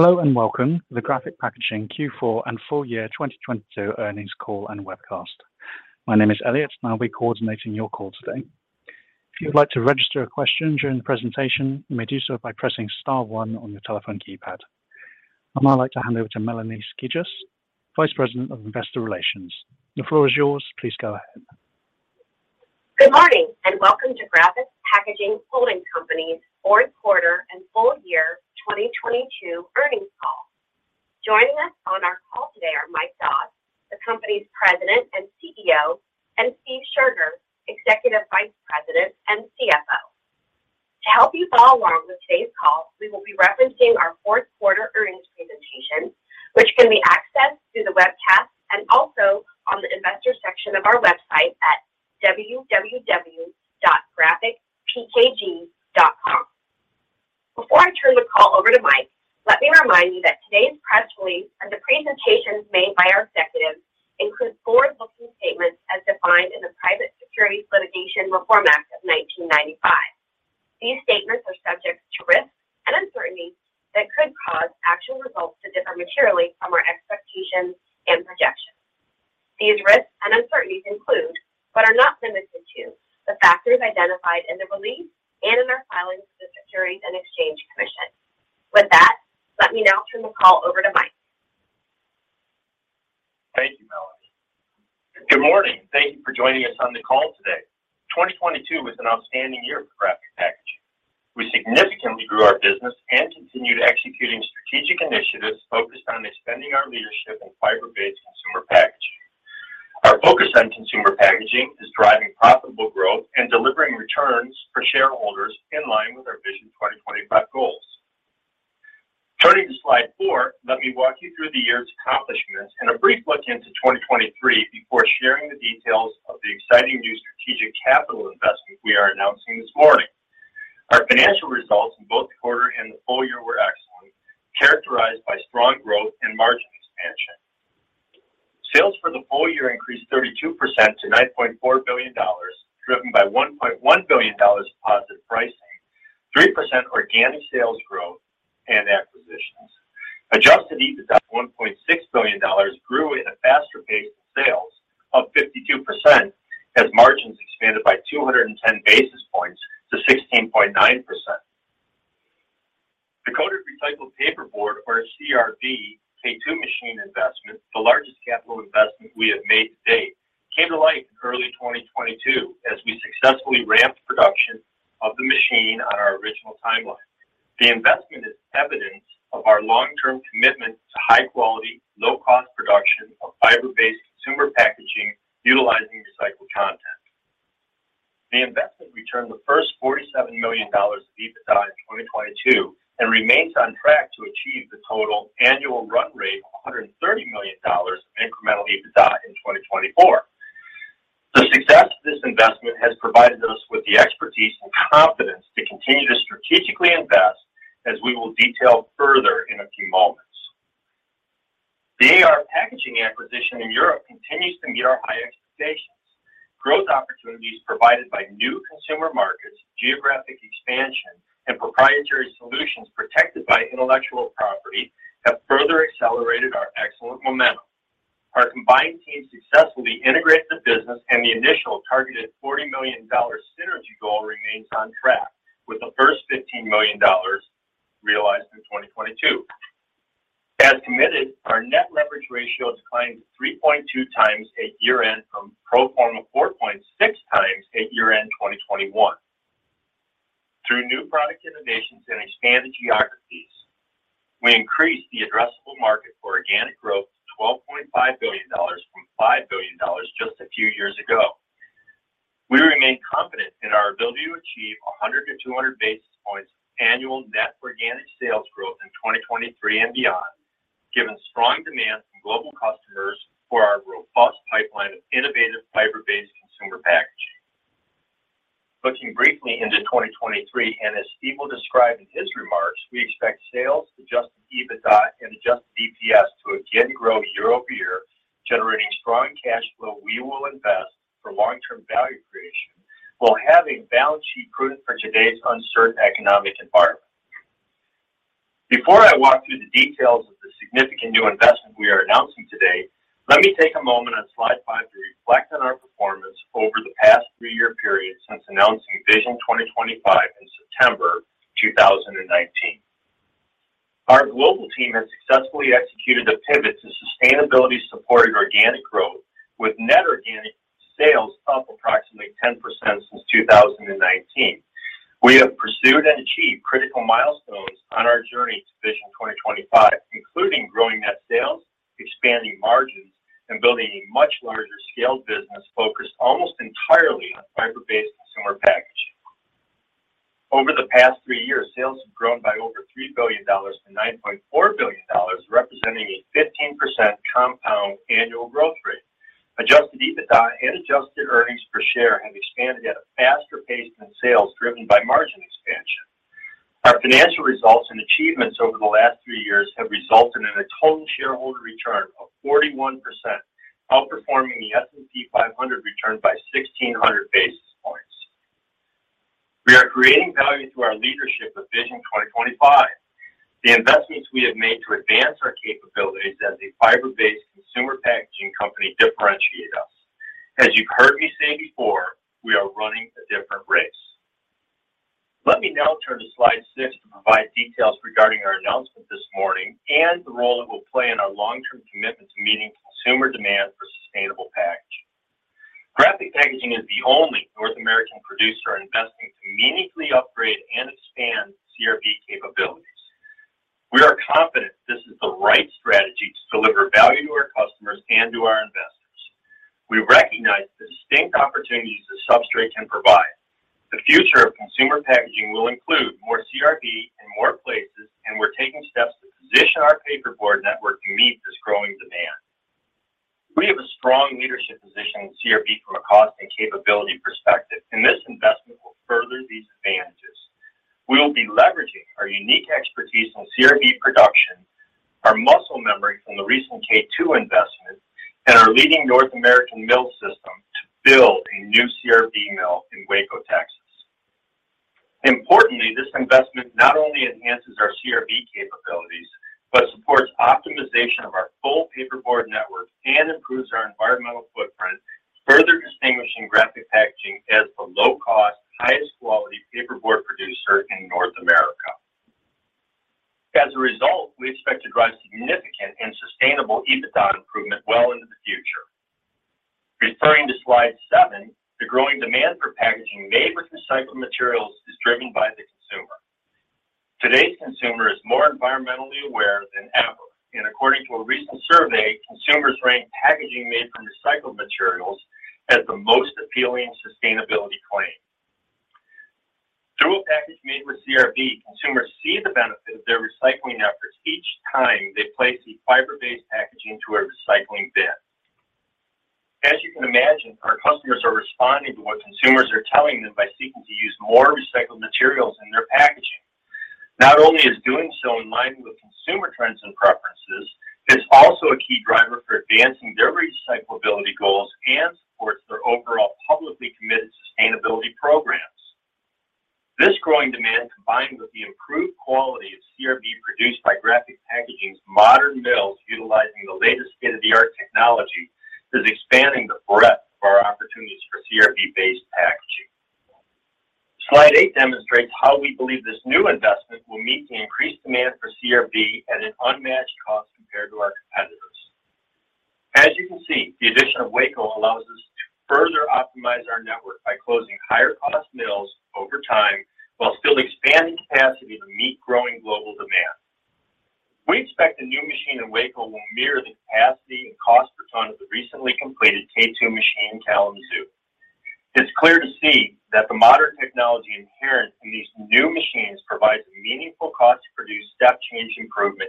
Hello and welcome to the Graphic Packaging Q4 and full-year 2022 earnings call and webcast. My name is Elliott, and I'll be coordinating your call today. If you would like to register a question during the presentation, you may do so by pressing star one on your telephone keypad. I'd now like to hand over to Melanie Skijus, Vice President of Investor Relations. The floor is yours. Please go ahead. Good morning, and welcome to Graphic Packaging Holding Company's fourth quarter and full-year 2022 earnings call. Joining us on our call today are Mike Doss, the company's President and CEO, and Steve Scherger, Executive Vice President and CFO. To help you follow along with today's call, we will be referencing our fourth quarter earnings presentation, which can be accessed through the webcast and also on the investor section of our website at www.graphicpkg.com. Before I turn the call over to Mike, let me remind you that today's press release and the presentations made by our executives include forward-looking statements as defined in the Private Securities Litigation Reform Act of 1995. These statements are subject to risks and uncertainties that could cause actual results to differ materially from our expectations and projections. These risks and uncertainties include, but are not limited to, the factors identified in the release and in our filings with the Securities and Exchange Commission. With that, let me now turn the call over to Mike. Thank you, Melanie. Good morning. Thank you for joining us on the call today. 2022 was an outstanding year for Graphic Packaging. We significantly grew our business and continued executing strategic initiatives focused on extending our leadership in fiber-based consumer packaging. Our focus on consumer packaging is driving profitable growth and delivering returns for shareholders in line with our Vision 2025 goals. Turning to slide four, let me walk you through the year's accomplishments and a brief look into 2023 before sharing the details of the exciting new strategic capital investment we are announcing this morning. Our financial results in both the quarter and the full-year were excellent, characterized by strong growth and margin expansion. Sales for the full-year increased 32% to $9.4 billion, driven by $1.1 billion positive pricing, 3% organic sales growth and acquisitions. Adjusted EBITDA of $1.6 billion grew at a faster pace than sales of 52% as margins expanded by 210 basis points to 16.9%. The Coated Recycled Paperboard or CRB K2 machine investment, the largest capital investment we have made to date, came to light in early 2022 as we successfully ramped production of the machine on our original timeline. The investment is evidence of our long-term commitment to high quality, low-cost production of fiber-based consumer packaging utilizing recycled content. The investment returned the first $47 million of EBITDA in 2022 and remains on track to achieve the total annual run rate of $130 million of incremental EBITDA in 2024. The success of this investment has provided us with the expertise and confidence to continue to strategically invest as we will detail further in a few moments. The AR Packaging acquisition in Europe continues to meet our high expectations. Growth opportunities provided by new consumer markets, geographic expansion, and proprietary solutions protected by intellectual property have further accelerated our excellent momentum. Our combined team successfully integrated the business and the initial targeted $40 million synergy goal remains on track with the first $15 million realized in 2022. As committed, our net leverage ratio has climbed 3.2x at year-end from pro forma 4.6x at year-end 2021. Through new product innovations and expanded geographies, we increased the addressable market for organic growth to $12.5 billion from $5 billion just a few years ago. We remain confident in our ability to achieve 100 basis points-200 basis points annual net organic sales growth in 2023 and beyond, given strong demand from global customers for our robust pipeline of innovative fiber-based consumer packaging. Looking briefly into 2023, and as Steve will describe in his remarks, we expect sales, adjusted EBITDA, and adjusted EPS to again grow year-over-year, generating strong cash flow we will invest for long-term value creation while having balance sheet prudent for today's uncertain economic environment. Before I walk through the details of the significant new investment we are announcing today, let me take a moment on slide five to reflect on our performance over the past three-year period since announcing Vision 2025 in September 2019. Our global team has successfully executed a pivot to sustainability-supported organic growth with net organic sales up approximately 10% since 2019. We have pursued and achieved critical milestones on our journey to Vision 2025, including growing net sales, expanding margins, and building a much larger scale business focused almost entirely on fiber-based consumer packaging. Over the past three years, sales have grown by over $3 billion to $9.4 billion, representing a 15% compound annual growth rate. Adjusted EBITDA and adjusted earnings per share have expanded at a faster pace than sales driven by margin expansion. Our financial results and achievements over the last three years have resulted in a total shareholder return of 41%, outperforming the S&P 500 return by 1,600 basis. We are creating value through our leadership with Vision 2025. The investments we have made to advance our capabilities as a fiber-based consumer packaging company differentiate us. As you've heard me say before, we are running a different race. Let me now turn to slide six to provide details regarding our announcement this morning and the role it will play in our long-term commitment to meeting consumer demand for sustainable packaging. Graphic Packaging is the only North American producer investing to meaningfully upgrade and expand CRB capabilities. We are confident this is the right strategy to deliver value to our customers and to our investors. We recognize the distinct opportunities the substrate can provide. The future of consumer packaging will include more CRB in more places, and we're taking steps to position our paperboard network to meet this growing demand. We have a strong leadership position in CRB from a cost and capability perspective, and this investment will further these advantages. We will be leveraging our unique expertise in CRB production, our muscle memory from the recent K2 investment, and our leading North American mill system to build a new CRB mill in Waco, Texas. Importantly, this investment not only enhances our CRB capabilities but supports optimization of our full paperboard network and improves our environmental footprint, further distinguishing Graphic Packaging as the low-cost, highest quality paperboard producer in North America. As a result, we expect to drive significant and sustainable EBITDA improvement well into the future. Referring to slide seven, the growing demand for packaging made with recycled materials is driven by the consumer. Today's consumer is more environmentally aware than ever, and according to a recent survey, consumers rank packaging made from recycled materials as the most appealing sustainability claim. Through a package made with CRB, consumers see the benefit of their recycling efforts each time they place the fiber-based packaging into a recycling bin. As you can imagine, our customers are responding to what consumers are telling them by seeking to use more recycled materials in their packaging. Not only is doing so in line with consumer trends and preferences, it's also a key driver for advancing their recyclability goals and supports their overall publicly committed sustainability programs. This growing demand, combined with the improved quality of CRB produced by Graphic Packaging's modern mills utilizing the latest state-of-the-art technology, is expanding the breadth of our opportunities for CRB-based packaging. Slide eight demonstrates how we believe this new investment will meet the increased demand for CRB at an unmatched cost compared to our competitors. As you can see, the addition of Waco allows us to further optimize our network by closing higher-cost mills over time while still expanding capacity to meet growing global demand. We expect the new machine in Waco will mirror the capacity and cost per ton of the recently completed K2 machine in Kalamazoo. It's clear to see that the modern technology inherent in these new machines provides a meaningful cost to produce step change improvement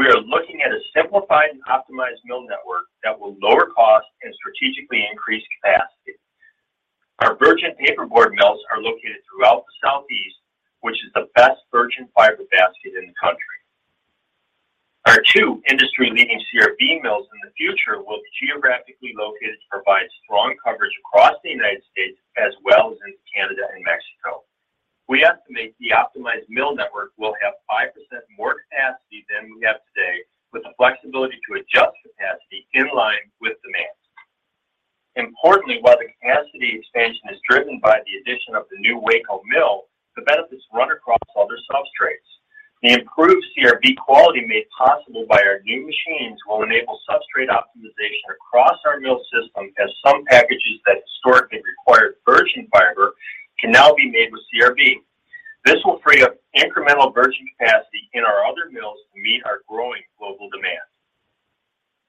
we are looking at a simplified and optimized mill network that will lower cost and strategically increase capacity. Our virgin paperboard mills are located throughout the Southeast, which is the best virgin fiber basket in the country. Our two industry-leading CRB mills in the future will be geographically located to provide strong coverage across the United States as well as into Canada and Mexico. We estimate the optimized mill network will have 5% more capacity than we have today, with the flexibility to adjust capacity in line with demand. Importantly, while the capacity expansion is driven by the addition of the new Waco mill, the benefits run across other substrates. The improved CRB quality made possible by our new machines will enable substrate optimization across our mill system, as some packages that historically required virgin fiber can now be made with CRB. Incremental virgin capacity in our other mills to meet our growing global demand.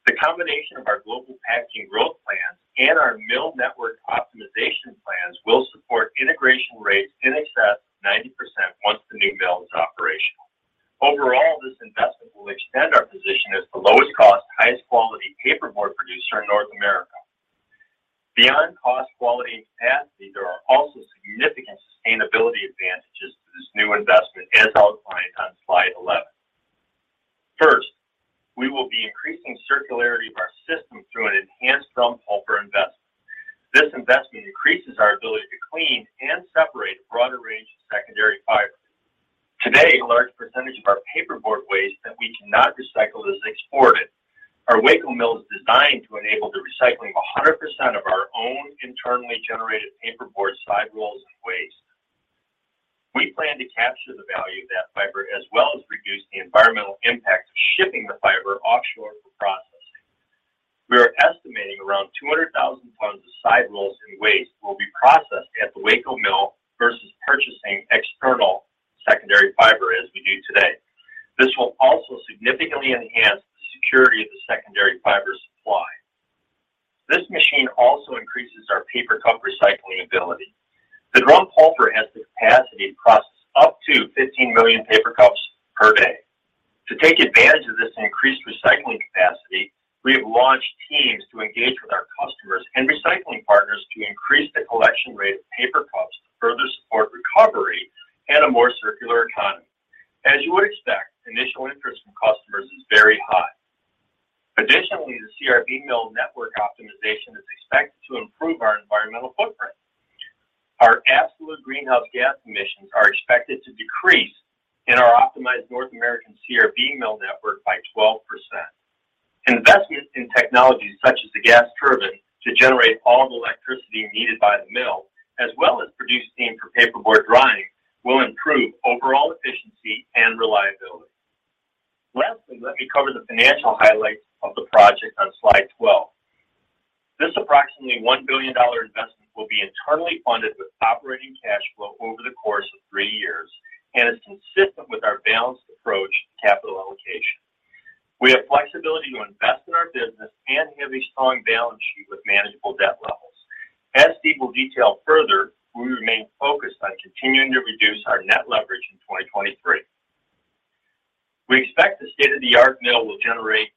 The combination of our global packaging growth plans and our mill network optimization plans will support integration rates in excess of 90% once the new mill is operational. Overall, this investment will extend our position as the lowest cost, highest quality paperboard producer in North America. Beyond cost, quality, and capacity, there are also significant sustainability advantages to this new investment as outlined on slide 11. First, we will be increasing circularity of our system through an enhanced drum pulper investment. This investment increases our ability to clean and separate a broader range of secondary fiber. Today, a large percentage of our paperboard waste that we cannot recycle is exported. Our Waco mill is designed to enable the recycling of 100% of our own internally generated paperboard side rolls and waste. We plan to capture the value of that fiber as well as reduce the environmental impact of shipping the fiber offshore for processing. We are estimating around 200,000 pounds of side rolls and waste will be processed at the Waco mill versus purchasing external secondary fiber as we do today. This will also significantly enhance the security of the secondary fiber supply. This machine also increases our paper cup recycling ability. The drum pulper has the capacity to process up to 15 million paper cups per day. To take advantage of this increased recycling capacity, we have launched teams to engage with our customers and recycling partners to increase the collection rate of paper cups to further support recovery and a more circular economy. As you would expect, initial interest from customers is very high. The CRB mill network optimization is expected to improve our environmental footprint. Our absolute greenhouse gas emissions are expected to decrease in our optimized North American CRB mill network by 12%. Investments in technologies such as the gas turbine to generate all the electricity needed by the mill, as well as produce steam for paperboard drying, will improve overall efficiency and reliability. Lastly, let me cover the financial highlights of the project on slide 12. This approximately $1 billion investment will be internally funded with operating cash flow over the course of three years and is consistent with our balanced approach to capital allocation. We have flexibility to invest in our business and have a strong balance sheet with manageable debt levels. As Steve will detail further, we remain focused on continuing to reduce our net leverage in 2023. We expect the state-of-the-art mill will generate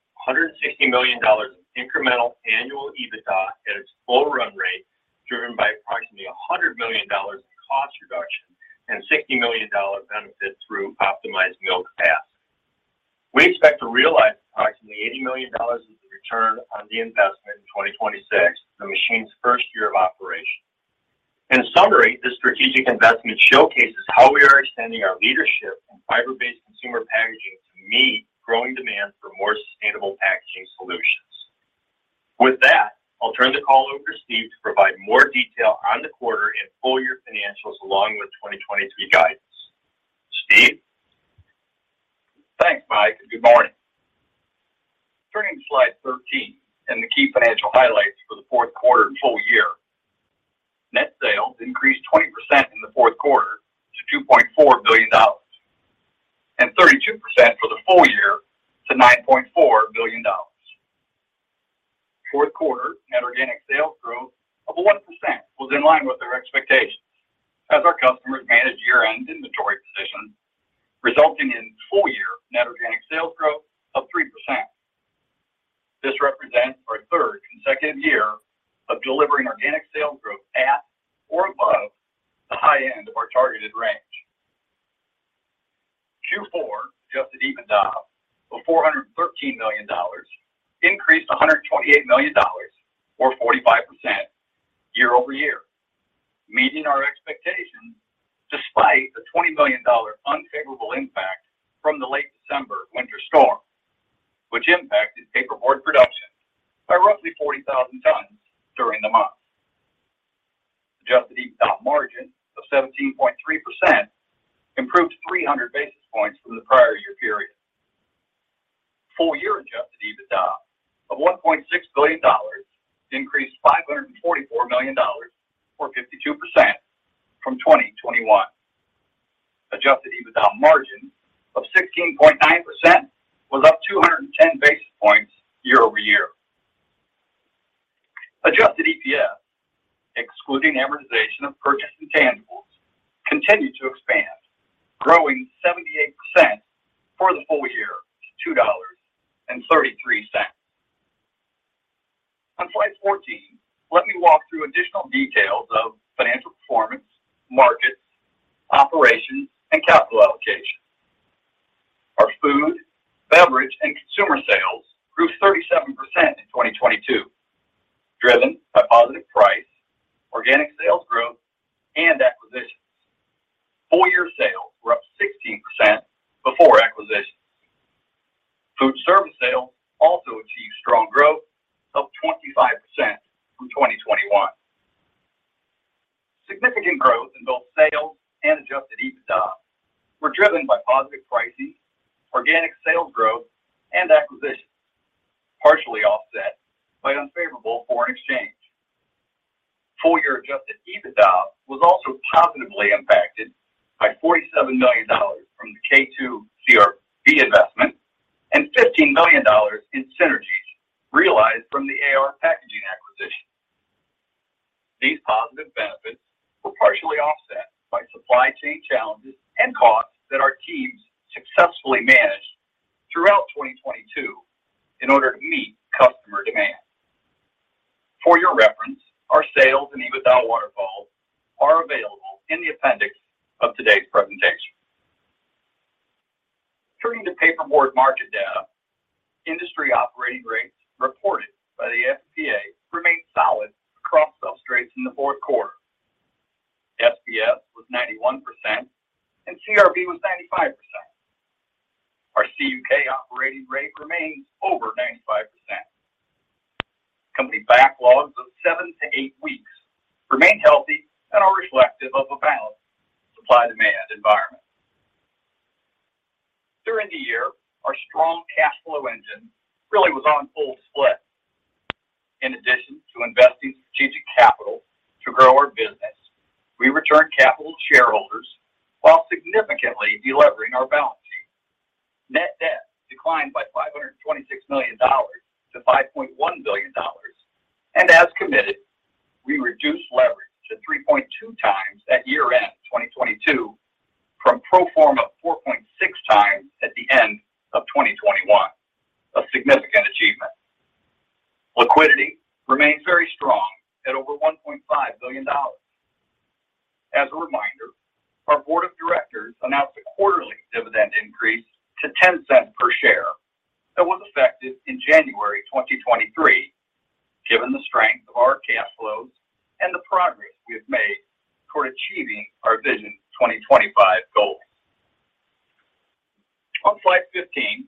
amortization of purchased intangibles, continued to expand, growing to 3.2x at year-end 2022 from pro forma 4.6x at the end of 2021. A significant achievement. Liquidity remains very strong at over $1.5 billion. As a reminder, our board of directors announced a quarterly dividend increase to $0.10 per share that was effective in January 2023, given the strength of our cash flows and the progress we have made toward achieving our Vision 2025 goals. On slide 15,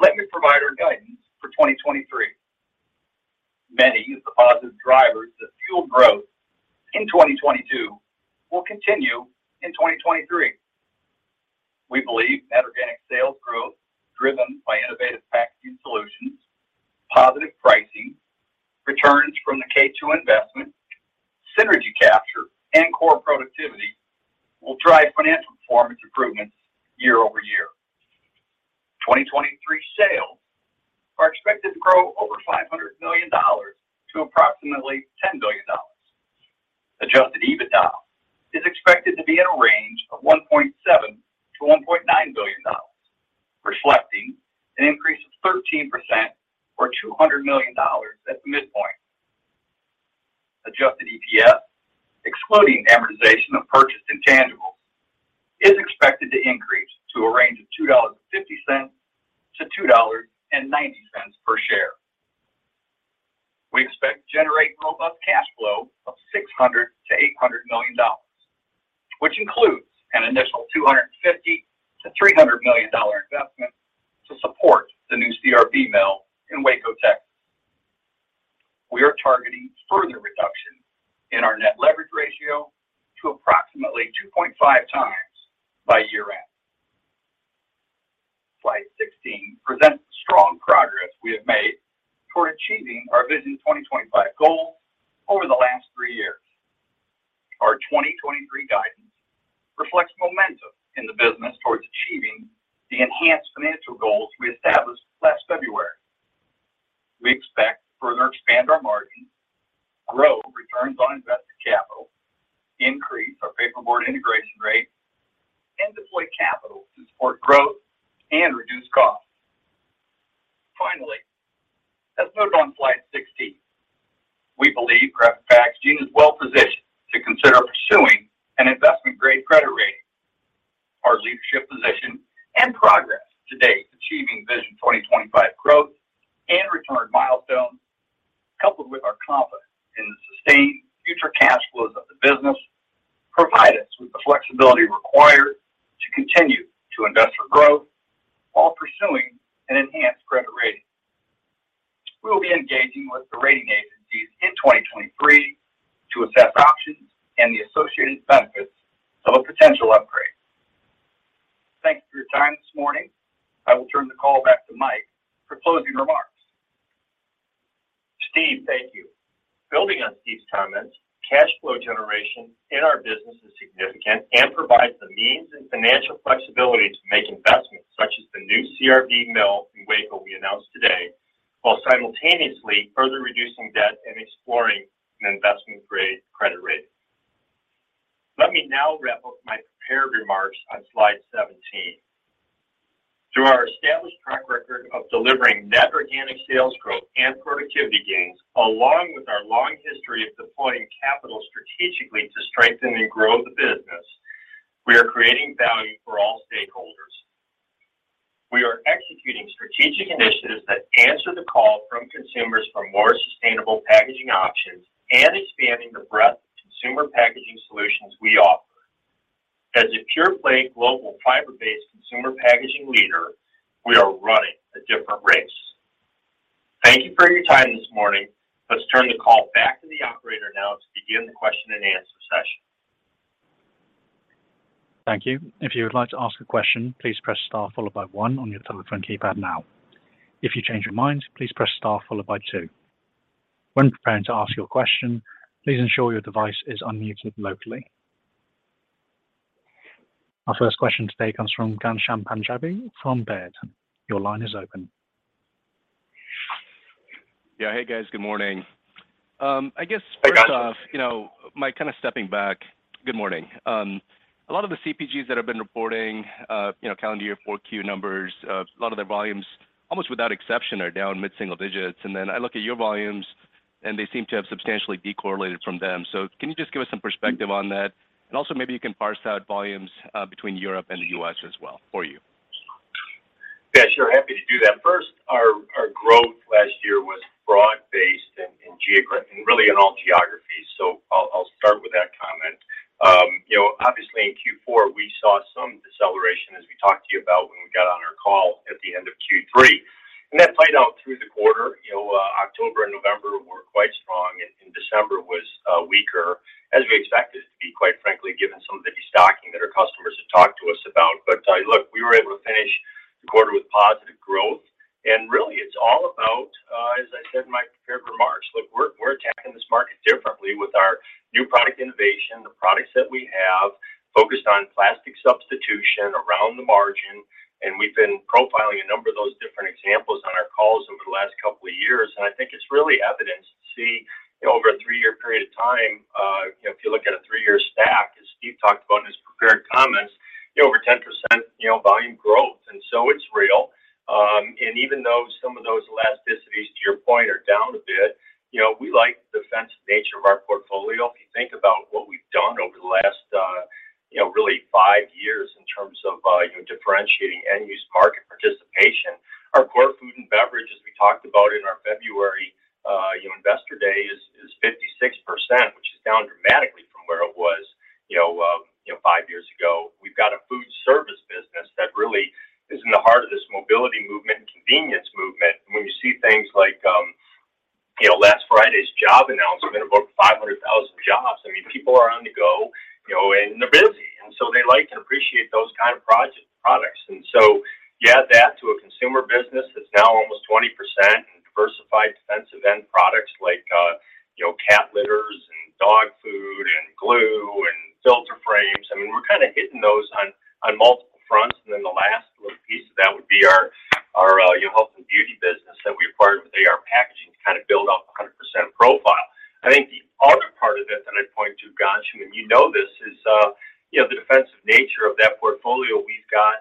let me provide our guidance for 2023. Many of the positive drivers that fueled growth in 2022 will continue in 2023. We believe net organic sales growth driven by innovative packaging solutions, positive pricing, returns from the K2 investment, synergy capture, and core productivity will drive financial performance improvements year-over-year. 2023 sales are expected to grow over $500 million to approximately $10 billion. Adjusted EBITDA is expected to be in a range of $1.7 billion-$1.9 billion, reflecting an increase of 13% or $200 million at the midpoint. Adjusted EPS, excluding amortization of purchased intangibles, is expected to increase to a range of $2.50-$2.90 per share. We expect to generate robust cash flow of $600 million-$800 million, which includes an initial $250 million-$300 million investment to support the new CRB mill in Waco, Texas. We are targeting further reduction in our net leverage ratio to approximately 2.5x by year-end. Slide 16 presents strong progress we have made toward achieving our Vision 2025 goals over the last three years. Our 2023 guidance reflects momentum in the business towards achieving the enhanced financial goals we established last February. We expect to further expand our margins, grow returns on invested capital, increase our paperboard integration rate, and deploy capital to support growth and reduce costs. Finally, as noted on slide 16, we believe Graphic Packaging is well positioned to consider pursuing an investment-grade credit rating. Our leadership position and progress to date achieving Vision 2025 growth and return milestones, coupled with our confidence in the sustained future cash flows of the business, provide us with the flexibility required to continue to invest for growth while pursuing an enhanced credit rating. We will be engaging with the rating agencies in 2023 to assess options and the associated benefits of a potential upgrade. Thank you for your time this morning. I will turn the call back to Mike for closing remarks. Steve, thank you. Building on Steve's comments, cash flow generation in our business is significant and provides the means and financial flexibility to make investments such as the new CRB mill in Waco we announced today, while simultaneously further reducing debt and exploring an investment-grade credit rating. Let me now wrap up my prepared remarks on slide 17. Through our established track record of delivering net organic sales growth and productivity gains, along with our long history of deploying capital strategically to strengthen and grow the business, we are creating value for all stakeholders. We are executing strategic initiatives that answer the call from consumers for more sustainable packaging options and expanding the breadth of consumer packaging solutions we offer. As a pure-play global fiber-based consumer packaging leader, we are running a different race. Thank you for your time this morning. Let's turn the call back to the operator now to begin the question and answer session. Thank you. If you would like to ask a question, please press star followed by 1 on your telephone keypad now. If you change your mind, please press star followed by 2. When preparing to ask your question, please ensure your device is unmuted locally. Our first question today comes from Ghanshyam Panjabi from Baird. Your line is open. Yeah. Hey, guys. Good morning. A lot of the CPGs that have been reporting, you know, calendar year 4Q numbers, a lot of their volumes, almost without exception are down mid-single digits. I look at your volumes, and they seem to have substantially de-correlated from them. Can you just give us some perspective on that? Also maybe you can parse out volumes between Europe and the U.S. as well for you. Yeah, sure. Happy to do that. First, our growth last year was broad-based and really in all geographies. I'll start with that comment. You know, obviously in Q4, we saw some deceleration as we talked to you about when we got on our call at the end of Q3. That played out through the quarter. You know, October and November were quite strong, and December was weaker, as we expected it to be, quite frankly, given some of the de-stocking that our customers had talked to us about. Look, we were able to finish the quarter with positive growth. Really, it's all about, as I said in my prepared remarks, we're attacking this market differently with our new product innovation, the products that we have focused on plastic substitution around the margin. We've been profiling a number of those different examples on our calls over the last couple of years. I think it's really evidenced to see, you know, over a three-year period of time, you know, if you look at a three-year stack, as Steve talked about in his prepared comments, you know, over 10%, you know, volume growth. So it's real. Even though some of those elasticities, to your point, are down a bit, you know, we like the defensive nature of our portfolio. If you think about what we've done over the last, you know, really five years in terms of, you know, differentiating end-use market participation, our core food and beverage, as we talked about in our February, you know, Investor Day, is 56%, which is down dramatically from where it was, you know, five years ago. We've got a food service business that really is in the heart of this mobility movement and convenience movement. When you see things like, you know, last Friday's job announcement about 500,000 jobs, I mean, people are on the go, you know, and they're busy, and so they like to appreciate those kind of products. You add that to a consumer business that's now almost 20% in diversified defensive end products like, you know, cat litters and dog food and glue and filter frames. I mean, we're kind of hitting those on multiple fronts. The last little piece of that would be our, you know, health and beauty business that we acquired with AR Packaging to kind of build up a 100% profile. I think the other part of it that I'd point to, Ghanshyam, and you know this, is, you know, the defensive nature of that portfolio. We've got,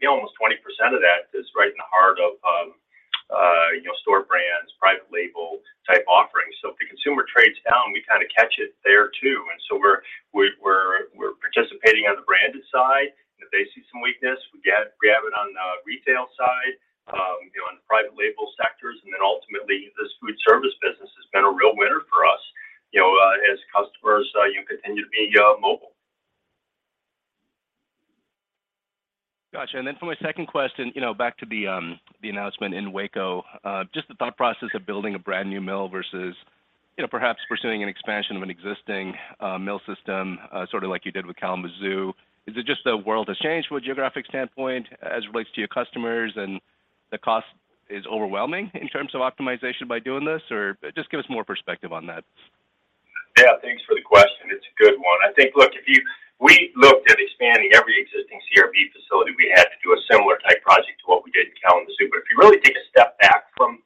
you know, almost 20% of that is right in the heart of, you know, store brands, private label type offerings. If the consumer trades down, we kind of catch it there, too. We're participating on the branded side. If they see some weakness, we have it on the retail side, you know, in the private label sectors. Ultimately, this food service business has been a real winner for us, you know, as customers, you know, continue to be mobile. Got you. Then for my second question, you know, back to the announcement in Waco, just the thought process of building a brand new mill versus, you know, perhaps pursuing an expansion of an existing mill system, sort of like you did with Kalamazoo. Is it just the world has changed from a geographic standpoint as it relates to your customers and the cost is overwhelming in terms of optimization by doing this? Or just give us more perspective on that? Yeah. Thanks for the question. It's a good one. I think, look, we looked at expanding every existing CRB facility, we had to do a similar type project to what we did in Kalamazoo. If you really take a step back from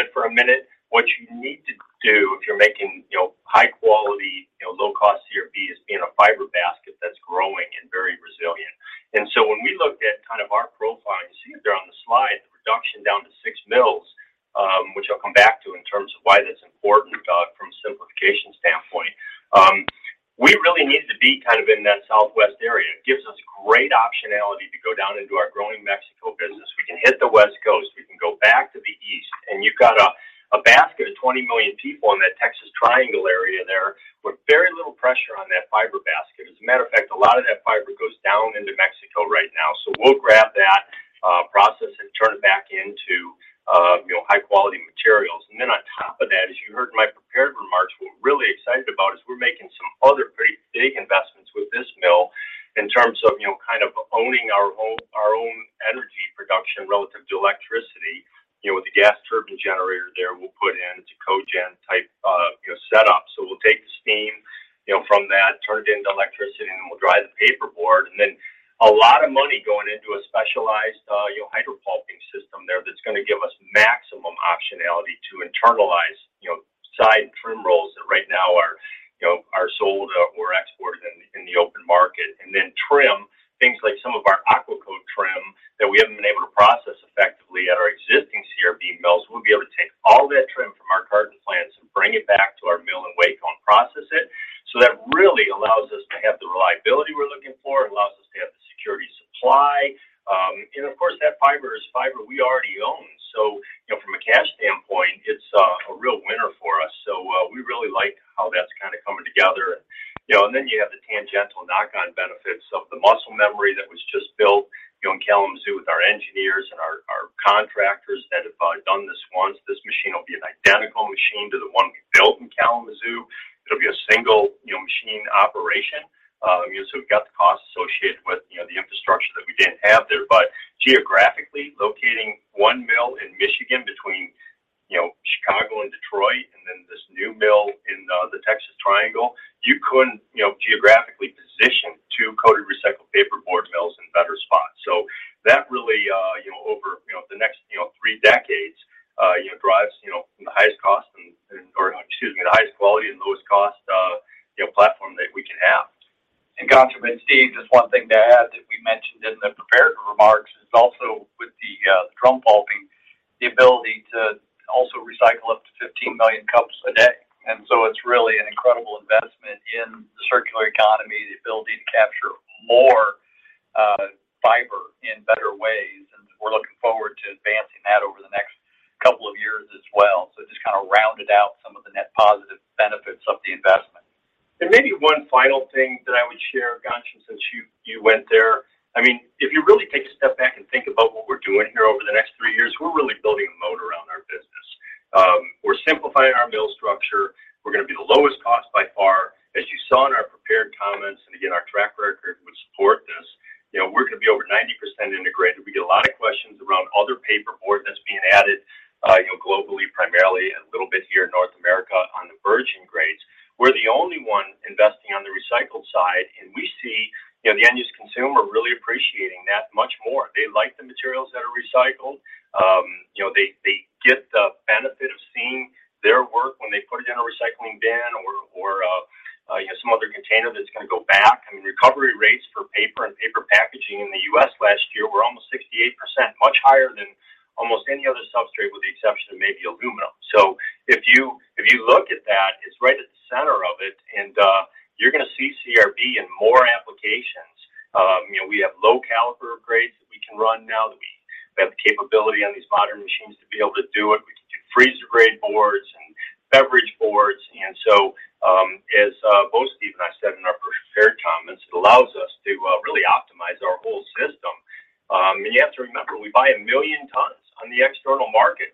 it for a minute, what you need to do if you're making, you know, high quality, you know, low cost CRB is be in a fiber basket that's growing and very resilient. When we looked at kind of our profile, you see it there on the slide, the reduction down to six mills, which I'll come back to in terms of why that's important from a simplification standpoint. We really needed to be kind of in that southwest area. It gives us great optionality to go down into our growing Mexico business. We can hit the West Coast, we can go back to the east. You've got a basket of 20 million people in that Texas triangle area there with very little pressure on that fiber basket. As a matter of fact, a lot of that fiber goes down into Mexico right now. We'll grab that, process it and turn it back into, you know, high quality materials. On top of that, as you heard in my prepared remarks, what we're really excited about is we're making some other pretty big investments with this mill in terms of, you know, kind of owning our own, our own energy production relative to electricity. You know, with the gas turbine generator there, we'll put in to cogen type, you know, setup. We'll take the steam, you know, from that, turn it into electricity. Then we'll drive the paperboard. Then a lot of money going into a specialized, you know, hydro pulping system there that's gonna give us maximum optionality to internalize, you know, side and trim rolls that right now are, you know, are sold or exported in the open market. Then trim things like some of our Aqua-Kote trim that we haven't been able to process effectively at our existing CRB mills. We'll be able to take all that trim from our carton plants and bring it back to our mill in Waco and process it. That really allows us to have the reliability we're looking for. It allows us to have the security of supply. Of course, that fiber is fiber we already own. you know, from a cash standpoint, it's a real winner for us. we really like how that's kind of coming together. you know, and then you have the tangential knock-on benefits of the muscle memory that was just built, you know, in Kalamazoo with our end-Contractors that have done this once, this machine will be an identical machine to the one we built in Kalamazoo. It'll be a single, you know, machine operation. you know, so we've got the costs associated with, you know, the infrastructure that we didn't have there. geographically, locating one mill in Michigan between, you know, Chicago and Detroit, and then this new mill in the Texas Triangle. You couldn't, you know, geographically position two coated recycled paperboard mills in better spots. That really, you know, over, you know, the next, you know, three decades, you know, drives, you know, from the highest cost and, or excuse me, the highest quality and lowest cost, you know, platform that we can have. Ganchu and Steve, just one thing to add that we mentioned in the prepared remarks is also with the drum pulping, the ability to also recycle up to 15 million cups a day. It's really an incredible investment in the circular economy, the ability to capture more fiber in better ways. We're looking forward to advancing that over the next couple of years as well. It just kind of rounded out some of the net positive benefits of the investment. Maybe one final thing that I would share, Ganchu, since you went there. I mean, if you really take a step back and think about what we're doing here over the next three years, we're really building a mode around our business. We're simplifying our mill structure. We're gonna be the lowest cost by far. As you saw in our prepared comments, and again, our track record would support this, you know, we're gonna be over 90% integrated. We get a lot of questions around other paperboard that's being added, you know, globally, primarily a little bit here in North America on the virgin grades. We're the only one investing on the recycled side, and we see, you know, the end-use consumer really appreciating that much more. They like the materials that are recycled. You kn.w, they get the benefit of seeing their work when they put it in a recycling bin or, you know, some other container that's gonna go back. I mean, recovery rates for paper and paper packaging in the U.S. last year were almost 68%, much higher than almost any other substrate, with the exception of maybe aluminum. If you, if you look at that, it's right at the center of it. You're gonna see CRB in more applications. You know, we have low caliber grades that we can run now that we have the capability on these modern machines to be able to do it. We can do freezer-grade boards and beverage boards. As both Steve and I said in our prepared comments, it allows us to really optimize our whole system. You have to remember, we buy 1 million tons on the external market.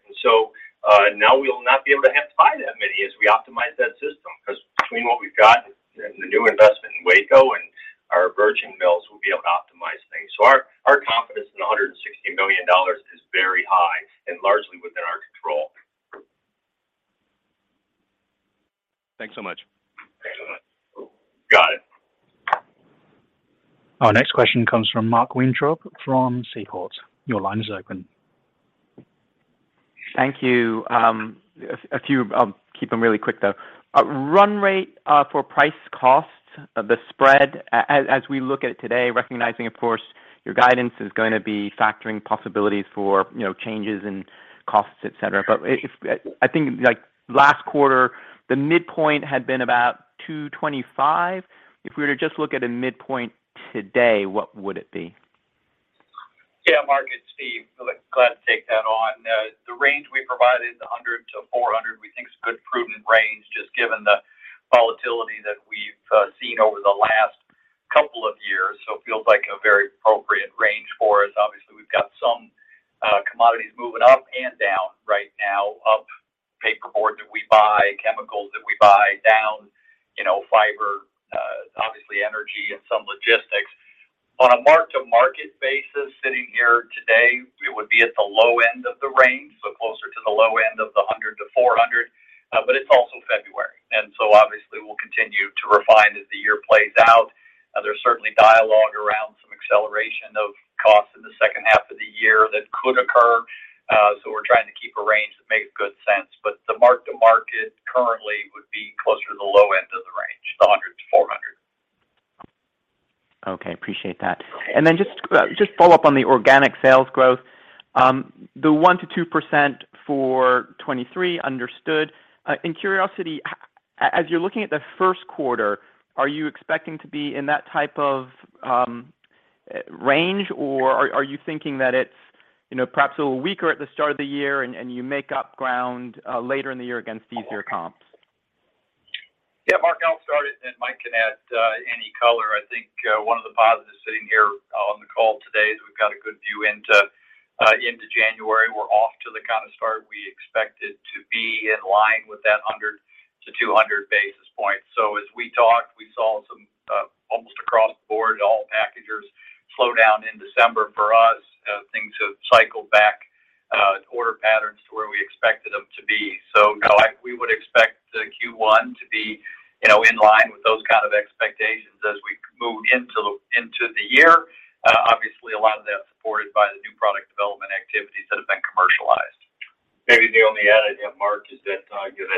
Now we'll not be able to have to buy that many as we optimize that system. Because between what we've got and the new investment in Waco and our virgin mills, we'll be able to optimize things. Our confidence in $160 million is very high and largely within our control. Thanks so much. Thanks so much. Got it. Our next question comes from Mark Weintraub from Seaport Research Partners. Your line is open. Thank you. A few I'll keep them really quick, though. Run rate for price costs, the spread as we look at it today, recognizing, of course, your guidance is gonna be factoring possibilities for, you know, changes in costs, et cetera. If, I think, like last quarter, the midpoint had been about $225. If we were to just look at a midpoint today, what would it be? Mark, it's Steve. Glad to take that on. The range we provided, the $100-$400, we think is a good prudent range, just given the volatility that we've seen over the last couple of years. It feels like a very appropriate range for us. Obviously, we've got some commodities moving up and down right now. Up, paperboard that we buy, chemicals that we buy. Down, you know, fiber, obviously energy and some logistics. On a mark-to-market basis, sitting here today, we would be at the low end of the range, so closer to the low end of the $100-$400. It's also February, obviously we'll continue to refine as the year plays out. There's certainly dialogue around some acceleration of costs in the second half of the year that could occur, so we're trying to keep a range that makes good sense. The mark-to-market currently would be closer to the low end of the range, the $100-$400. Okay. Appreciate that. Then just follow up on the organic sales growth. The 1%-2% for 2023, understood. Curiosity, as you're looking at the first quarter, are you expecting to be in that type of range, or are you thinking that it's, you know, perhaps a little weaker at the start of the year and you make up ground later in the year against easier comps? Mark, I'll start it, and then Mike can add, any color. I think, one of the positives sitting here on the call today is we've got a good view into January. We're off to the kind of start we expected to be in line with that 100 basis points-200 basis points. As we talked, we saw some, almost across the board, all packagers slow down in December. Things have cycled back, order patterns to where we expected them to be. No, we would expect the Q1 to be, you know, in line with those kind of expectations as we move into the year. A lot of that supported by the new product development activities that have been commercialized. Maybe the only add I'd have, Mark, is that, you know,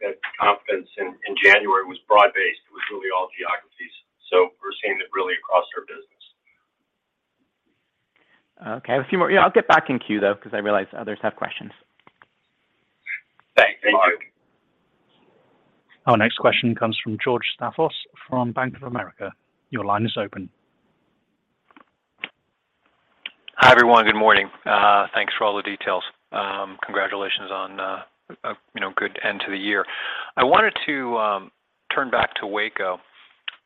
that confidence in January was broad-based. It was really all geographies. We're seeing that really across our business. Okay. A few more. Yeah, I'll get back in queue, though, 'cause I realize others have questions. Thanks, Mark. Thank you. Our next question comes from George Staphos from Bank of America. Your line is open. Hi, everyone. Good morning. Thanks for all the details, you know, good end to the year. I wanted to turn back to Waco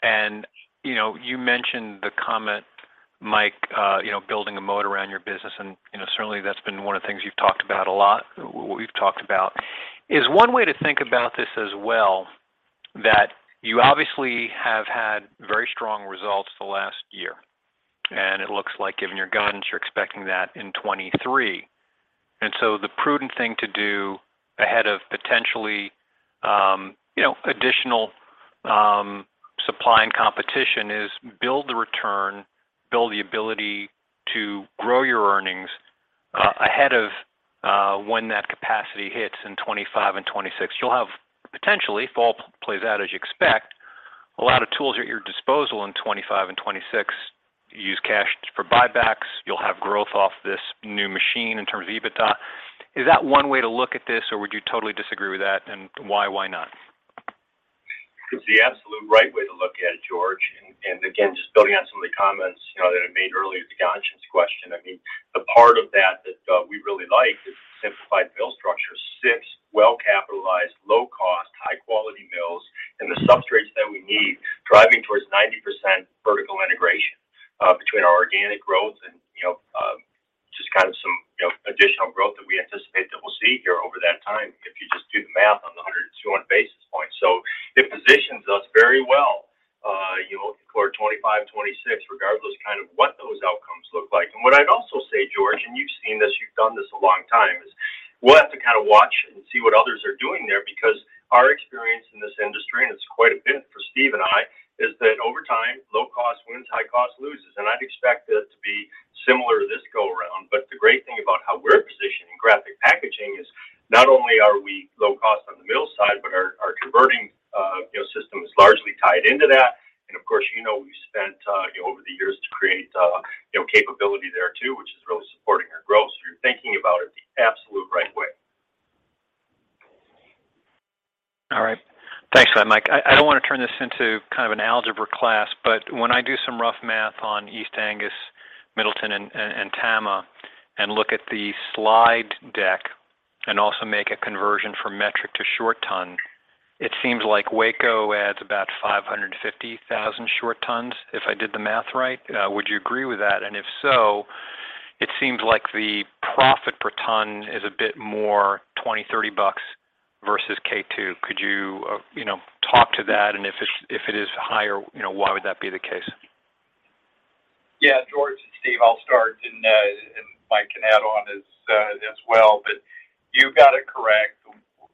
and, you know, you mentioned the comment, Mike, you know, building a moat around your business and, you know, certainly that's been one of the things you've talked about a lot. We've talked about is one way to think about this as well, that you obviously have had very strong results the last year, and it looks like given your guidance, you're expecting that in 23. The prudent thing to do ahead of potentially, you know, additional supply and competition is build the return, build the ability to grow your earnings ahead of when that capacity hits in 2025 and 2026. You'll have potentially, if all plays out as you expect, a lot of tools at your disposal in 2025 and 2026. Use cash for buybacks. You'll have growth off this new machine in terms of EBITDA. Is that one way to look at this or would you totally disagree with that and why not? It's the absolute right way to look at it, George. Again, just building on some of the comments, you know, that I made earlier to the conscience question. I mean, the part of that that we really like is the simplified mill structure. Six well-capitalized, low cost, high quality mills in the substrates that we need, driving towards 90% vertical integration between our organic growth and, you know, just kind of some, you know, additional growth that we anticipate that we'll see here over that time if you just do the math on the 102 basis points. It positions us very well, you know, for 2025, 2026 regardless kind of what those outcomes look like. What I'd also say, George Staphos, and you've seen this, you've done this a long time, is we'll have to kind of watch and see what others are doing there because our experience in this industry, and it's quite a bit for Stephen Scherger and I, is that over time, low cost wins, high cost loses. I'd expect that to be similar to this go around. The great thing about how we're positioned in Graphic Packaging is not only are we low cost on the mill side, but our converting, you know, system is largely tied into that. Of course, you know, we've spent, you know, over the years to create, you know, capability there too, which is really supporting our growth. You're thinking about it the absolute right way. All right. Thanks for that, Mike. I don't want to turn this into kind of an algebra class, but when I do some rough math on East Angus, Middletown and Tama and look at the slide deck and also make a conversion from metric to short ton, it seems like Waco adds about 550,000 short tons if I did the math right. Would you agree with that? If so, it seems like the profit per ton is a bit more $20-$30 versus K2. Could you know, talk to that and if it is higher, you know, why would that be the case? Yeah, George, it's Steve, I'll start and Mike can add on as well. You got it correct.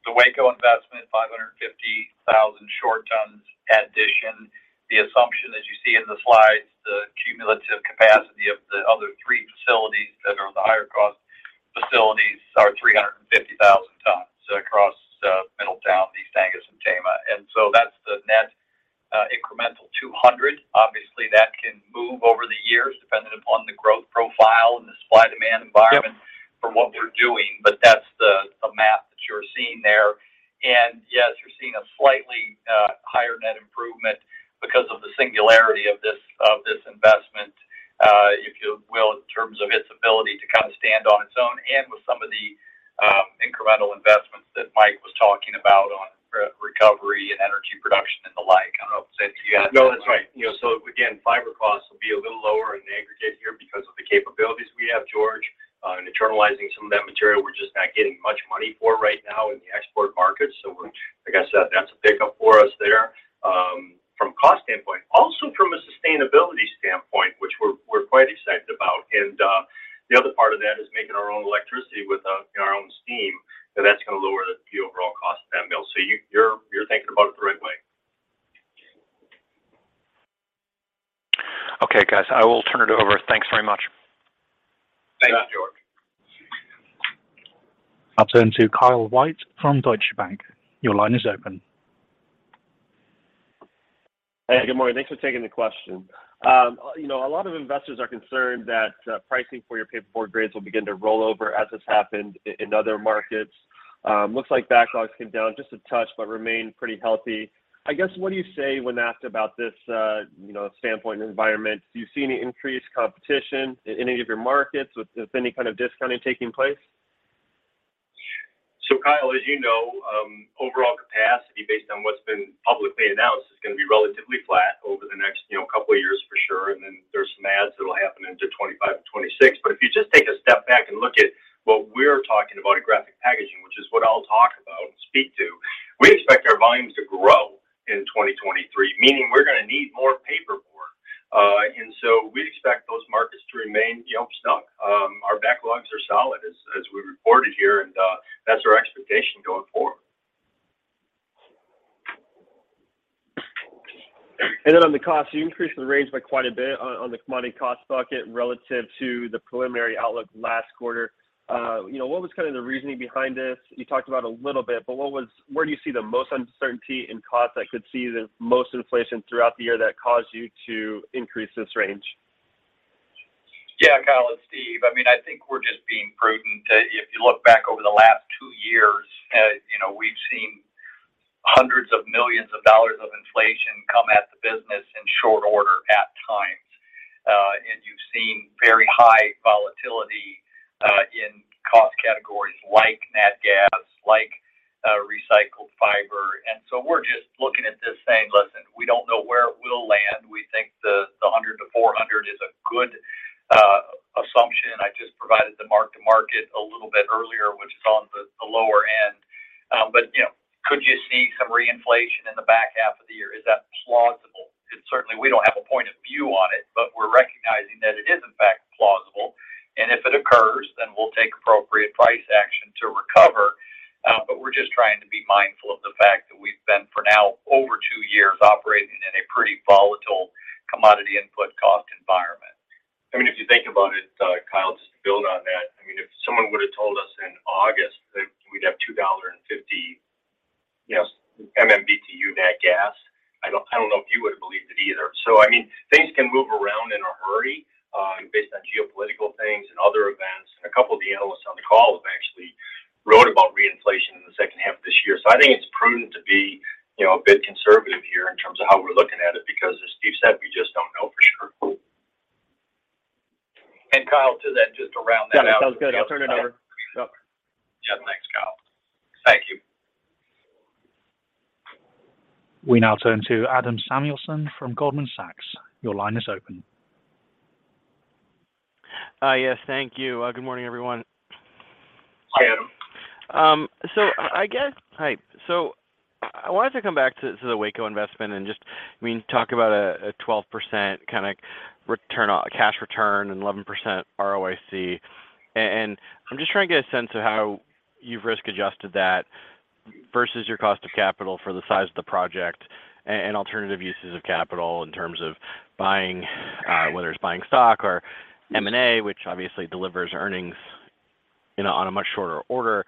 The Waco investment, 550,000 short tons at addition. The assumption as you see in the slides, the cumulative capacity of the other three facilities that are the higher cost facilities are 350,000 tons across Middletown, East Angus and Tama. That's the net incremental 200. Obviously, that can move over the years dependent upon the growth profile and the supply demand environment- Yep. -for what we're doing. That's the math that you're seeing there. Yes, you're seeing a slightly higher net improvement because of the singularity of this investment, if you will, in terms of its ability to kind of stand on its own and with some of the incremental investments that Mike was talking about on re-recovery and energy production and the like. I don't know if it makes sense to you? No, that's right. You know, again, fiber costs will be a little lower in the aggregate here because of the capabilities we have, George, in internalizing some of that material we're just not getting much money for right now in the export market. Like I said, that's a pickup for us there, from a cost standpoint. Also from a sustainability standpoint, which we're quite excited about. The other part of that is making our own electricity with our own steam, that's gonna lower the overall cost of that mill. You're thinking about it the right way. Okay, guys, I will turn it over. Thanks very much. Thanks, George. I'll turn to Kyle White from Deutsche Bank. Your line is open. Good morning. Thanks for taking the question. You know, a lot of investors are concerned that pricing for your paperboard grades will begin to roll over as has happened in other markets. Looks like backlogs came down just a touch, but remain pretty healthy. I guess, what do you say when asked about this, you know, standpoint and environment? Do you see any increased competition in any of your markets with any kind of discounting taking place? Kyle, as you know, overall capacity based on what's been publicly announced is gonna be relatively flat over the next, you know, couple of years for sure. Then there's some adds that'll happen into 2025 and 2026. If you just take a step back and look at what we're talking about in Graphic Packaging, which is what I'll talk about and speak to, we expect our volumes to grow in 2023, meaning we're gonna need more paperboard. We expect those markets to remain, you know, stuck. Our backlogs are solid as we reported here, and that's our expectation going forward. Then on the cost, you increased the range by quite a bit on the commodity cost bucket relative to the preliminary outlook last quarter. you know, what was kind of the reasoning behind this? You talked about a little bit, but where do you see the most uncertainty in costs that could see the most inflation throughout the year that caused you to increase this range? Yeah. Kyle, it's Steve. I mean, I think we're just being prudent. If you look back over the last two years, you know, we've seen Hundreds of millions of dollars of inflation come at the business in short order at times. You've seen very high volatility in cost categories like nat gas, like recycled fiber. We're just looking at this saying, "Listen, we don't know where it will land. We think the $100-$400 is a good assumption." I just provided the mark-to-market a little bit earlier, which is on the lower end. You know, could you see some reinflation in the back half of the year? Is that plausible? Certainly we don't have a point of view versus your cost of capital for the size of the project and alternative uses of capital in terms of buying, whether it's buying stock or M&A, which obviously delivers earnings, you know, on a much shorter order.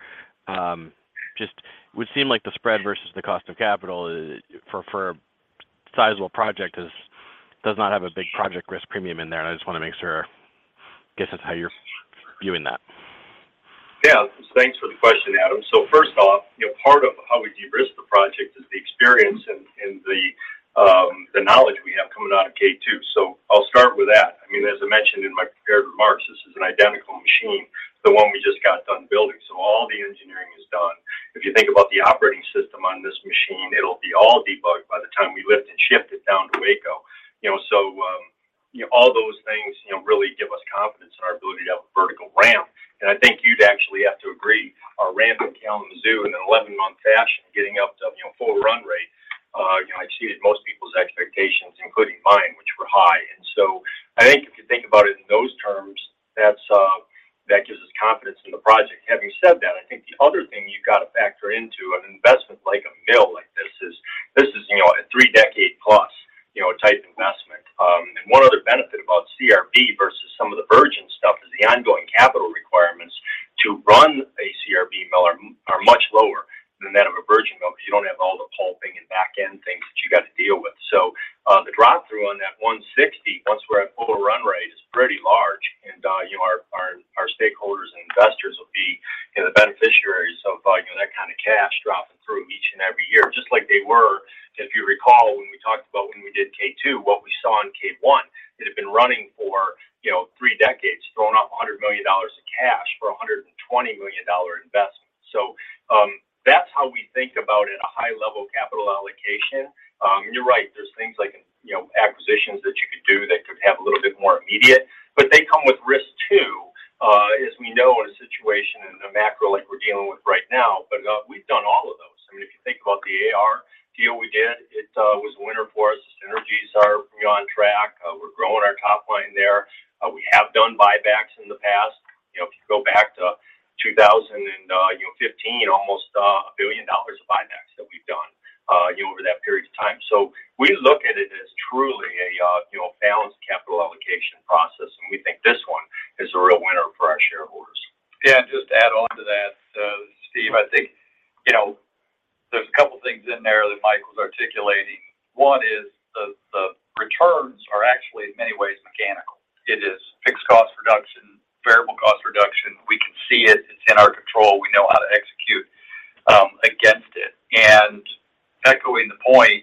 Just would seem like the spread versus the cost of capital for a sizable project is, does not have a big project risk premium in there. I just wanna make sure, I guess, that's how you're viewing that. Yeah, thanks for the question, Adam. First off, you know, part of how we de-risk the project is the experience and the knowledge we have coming out of K2. I'll start with that. I mean, as I mentioned in my prepared remarks, this is an identical machine to the one we just got done building. All the engineering is done. If you think about the operating system on this machine, it'll be all debugged by the time we lift and shift it down to Waco. You know, all those things, you know, really give us confidence in our ability to have a vertical ramp. I think you'd actually have to agree our ramp in Kalamazoo in an 11 month fashion, getting up to, you know, full run rate, you know, exceeded most people's expectations, including mine, which were high. I think if you think about it in those terms, that's, that gives us confidence in the project. Having said that, I think the other thing you've gotta factor into an investment like a mill like this is, this is, you know, a 3+ decade, you know, type investment. And one other benefit about CRB versus some of the virgin stuff is the ongoing capital requirements to run a CRB mill are much lower than that of a virgin mill 'cause you don't have all the pulping and back end things that you gotta deal with. The drop through on that 160 once we're at full run rate is pretty large. Our, you know, our stakeholders and investors will be, you know, the beneficiaries of, you know, that kinda cash dropping through each and every year. Just like they were, if you recall, when we talked about when we did K2, what we saw in K1, it had been running for, you know, three decades, throwing off $100 million of cash for a $120 million investment. That's how we think about it, a high level capital allocation. And you're right, there's things like, you know, acquisitions that you could do that could have a little bit more immediate, but they come with risk too, as we know in a situation in a macro like we're dealing with right now. We've done all of those. I mean, if you think about the AR deal we did, it was a winner for us. Synergies are, you know, on track. We're growing our top line there. We have done buybacks in the past. You know, if you go back to 2015 almost, $1 billion of buybacks that we've done, you know, over that period of time. We look at it as truly a, you know, balanced capital allocation process and we think this one is a real winner for our shareholders. Just to add onto that, Steve, I think, you know, there's a couple things in there that Mike was articulating. One is the returns are actually in many ways mechanical. It is fixed cost reduction, variable cost reduction. We can see it's in our control. We know how to execute against it. Echoing the point,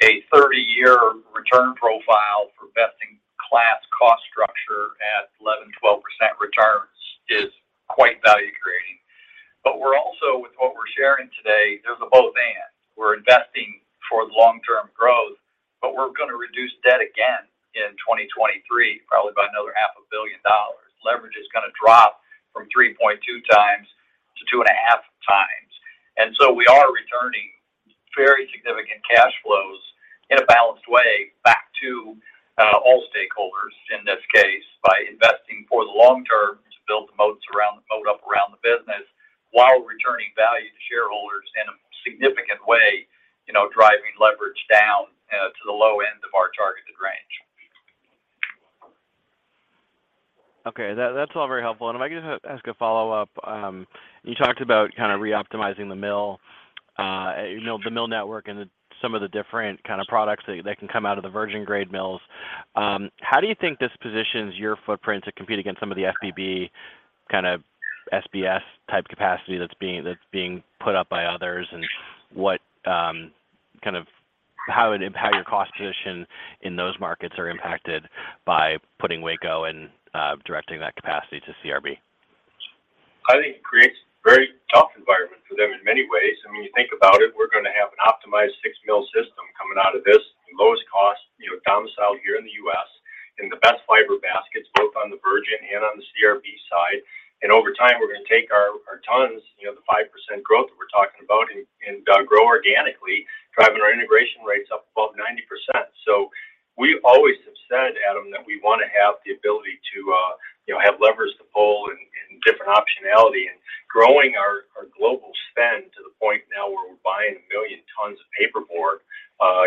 a 30-year return profile for best in class cost structure at 11%-12% returns is quite value creating. We're also with what we're sharing today, there's a both and. We're investing for long-term growth, we're gonna reduce debt again in 2023, probably by another half a billion dollars. Leverage is gonna drop from 3.2x-2.5x. We are returning very significant cash flows in a balanced way back to all stakeholders in this case by investing for the long term to build the moat up around the business while returning value to shareholders in a significant way, you know, driving leverage down to the low end of our targeted range. Okay, that's all very helpful. If I could just ask a follow-up. You talked about kind of reoptimizing the mill, you know, the mill network and the, some of the different kind of products that can come out of the virgin grade mills. How do you think this positions your footprint to compete against some of the FBB kind of SBS type capacity that's being put up by others and what, kind of how your cost position in those markets are impacted by putting Aqua-Kote and directing that capacity to CRB. I think it creates a very tough environment for them in many ways. I mean, when you think about it, we're gonna have an optimized 6 mil system coming out of this, the lowest cost, you know, domiciled here in the U.S., and the best fiber baskets both on the virgin and on the CRB side. Over time, we're gonna take our tons, you know, the 5% growth that we're talking about and grow organically, driving our integration rates up above 90%. We always have said, Adam, that we wanna have the ability to, you know, have levers to pull and different optionality. Growing our global spend to the point now where we're buying 1 million tons of paperboard,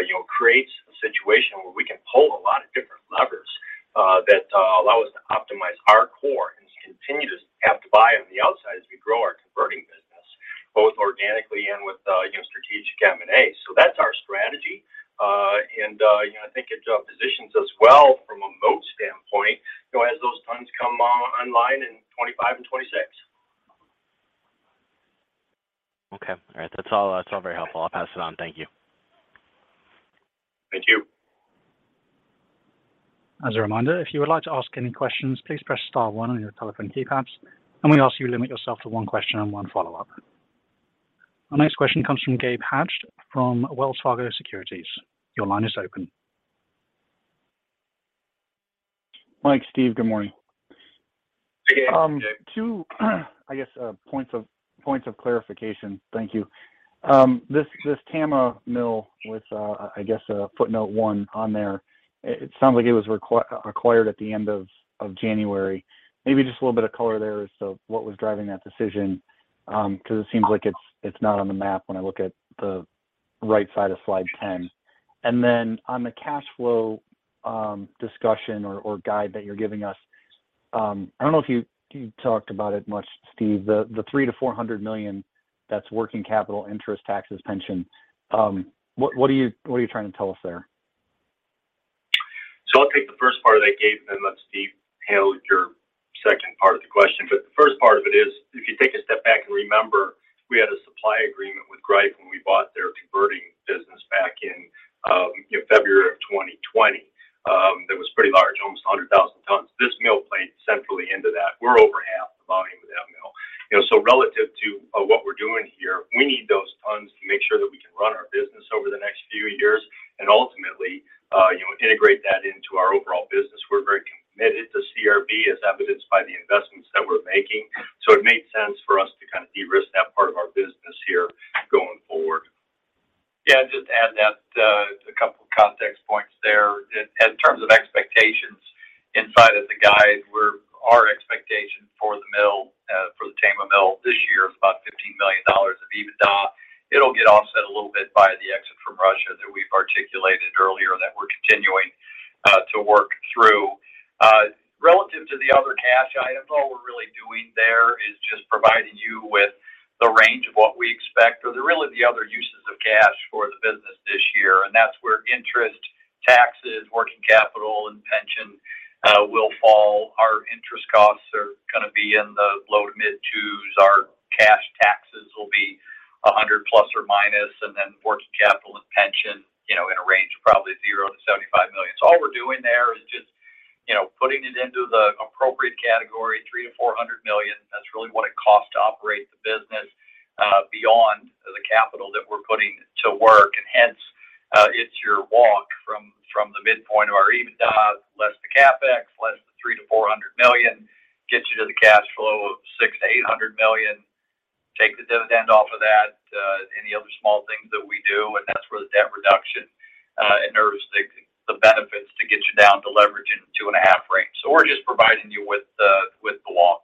you know, creates a situation where we can pull a lot of different levers that allow us to optimize our core and continue to have to buy on the outside as we grow our converting business, both organically and with, you know, strategic M&A. That's our strategy. You know, I think it positions us well from a moat standpoint, you know, as those tons come on-online in 2025 and 2026. Okay. All right. That's all. That's all very helpful. I'll pass it on. Thank you. Thank you. As a reminder, if you would like to ask any questions, please press star 1 on your telephone keypads. We ask you limit yourself to 1 question and 1 follow-up. Our next question comes from Gabe Hajde from Wells Fargo Securities. Your line is open. Mike, Steve, good morning. Hey, Gabe. How are you doing? Two, I guess, points of clarification. Thank you. This Tama mill with, I guess, a footnote one on there, it sounds like it was acquired at the end of January. Maybe just a little bit of color there as to what was driving that decision, 'cause it seems like it's not on the map when I look at the right side of slide 10. On the cash flow discussion or guide that you're giving us, I don't know if you talked about it much, Steve. The $300 million-$400 million that's working capital interest, taxes, pension, what are you trying to tell us there? I'll take the first part of that, Gabe, and then let Steve handle your second part of the question. The first part of it is, if you take a step back and remember, we had a supply agreement with Greif when we bought their converting business back in, you know, February of 2020, that was pretty large, almost 100,000 tons. This mill played centrally into that. We're over half the volume of that mill. You know, relative to what we're doing here, we need those tons to make sure that we can run our business over the next few years and ultimately, you know, integrate that into our overall business. We're very committed to CRB as evidenced by the investments that we're making. It made sense for us to kind of de-risk that part of our business here going forward. Yeah, just to add that, a couple of context points there in terms of expectations inside of the guide, our expectation for the mill, for the Tama mill this year is about $15 million of EBITDA. It'll get offset a little bit by the exit from Russia that we've articulated earlier that we're continuing to work through. Relative to the other cash item, all we're really doing there is just providing you with the range of what we expect or the really the other uses of cash for the business this year. That's where interest, taxes, working capital and pension will fall. Our interest costs are gonna be in the low to mid twos. Our cash taxes will be ±$100 million, and then working capital and pension, you know, in a range of probably $0-$75 million. All we're doing there is just, you know, putting it into the appropriate category, $300 million-$400 million. That's really what it costs to operate the business, beyond the capital that we're putting to work. Hence, it's your walk from the midpoint of our EBITDA less the CapEx, less the $300 million-$400 million, gets you to the cash flow of $600 million-$800 million. Take the dividend off of that, any other small things that we do, and that's where the debt reduction, and there's the benefits to get you down to leverage in the 2.5 range. We're just providing you with the walk.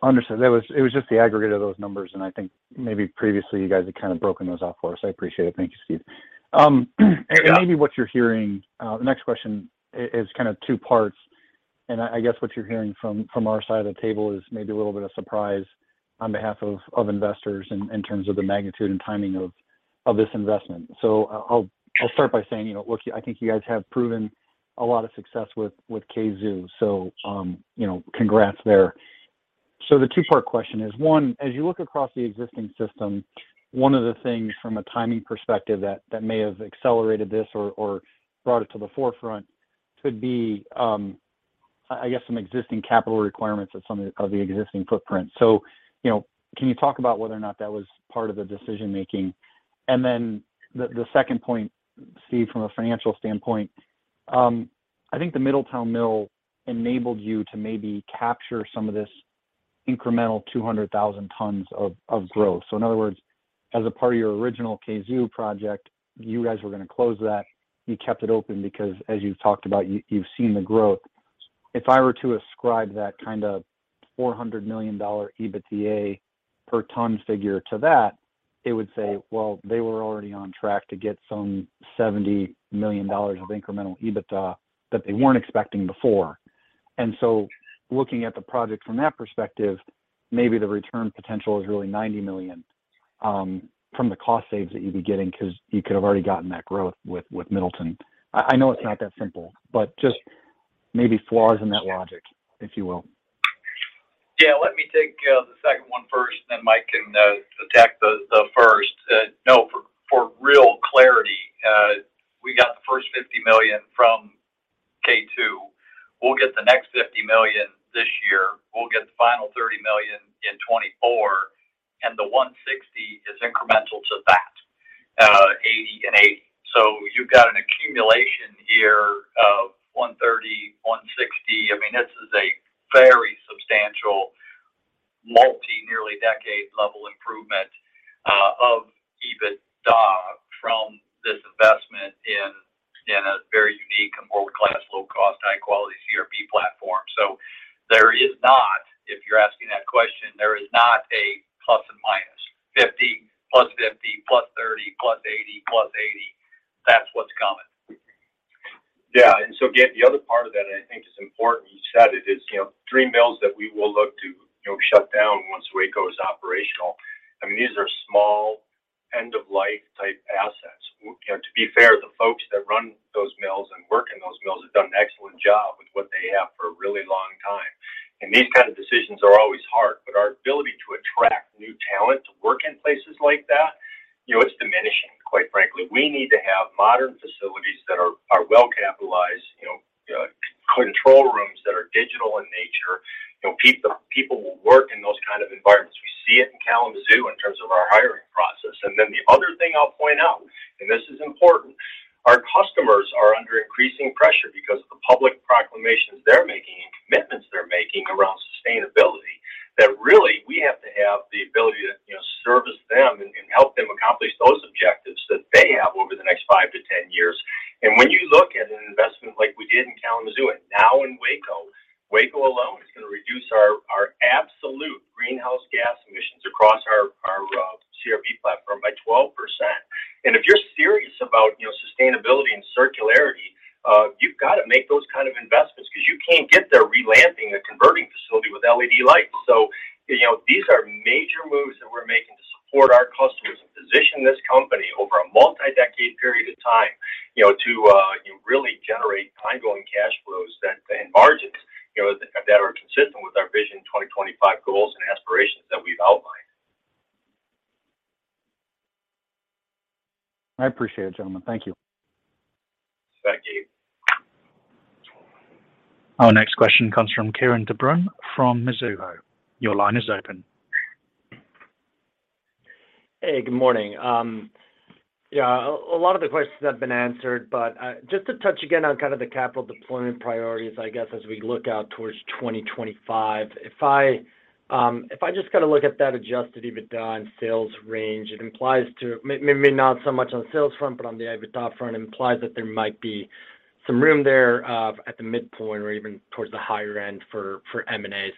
Understood. It was just the aggregate of those numbers, and I think maybe previously you guys had kind of broken those out for us. I appreciate it. Thank you, Steve. Maybe what you're hearing, the next question is kind of two parts. I guess what you're hearing from our side of the table is maybe a little bit of surprise on behalf of investors in terms of the magnitude and timing of this investment. I'll start by saying, you know, look, I think you guys have proven a lot of success with K2. you know, congrats there. The two-part question is, one, as you look across the existing system, one of the things from a timing perspective that may have accelerated this or brought it to the forefront could be, I guess some existing capital requirements of some of the existing footprint. You know, can you talk about whether or not that was part of the decision-making? The second point, Steve, from a financial standpoint, I think the Middletown mill enabled you to maybe capture some of this incremental 200,000 tons of growth. In other words, as a part of your original K2 project, you guys were gonna close that. You kept it open because, as you've talked about, you've seen the growth. If I were to ascribe that kind of $400 million EBITDA per ton figure to that, it would say, well, they were already on track to get some $70 million of incremental EBITDA that they weren't expecting before. Looking at the project from that perspective, maybe the return potential is really $90 million from the cost saves that you'd be getting because you could have already gotten that growth with Middletown. I know it's not that simple, but just maybe flaws in that logic, if you will. Let me take the second one first, then Mike can attack the first. No, for real clarity, we got the first $50 million from K2. We'll get the next $50 million this year. We'll get the final $30 million in 2024, and the $160 million is incremental to that $80 million and $80 million. You've got an accumulation here of $130 million, $160 million. I mean, this is a very substantial multi nearly decade-level improvement of EBITDA from this investment in a very unique and world-class, low-cost, high-quality CRB platform. There is not, if you're asking that question, there is not a plus and minus. $50 million plus $50 million plus $30 million plus $80 million plus $80 million. That's what's coming. Yeah. Again, the other part of that I think is important, you said it is, you know, 3 mills that we will look to, you know, shut down once Waco is operational. I mean, these are small end-of-life type assets. You know, to be fair, the folks that run some room there, at the midpoint or even towards the higher end for M&A.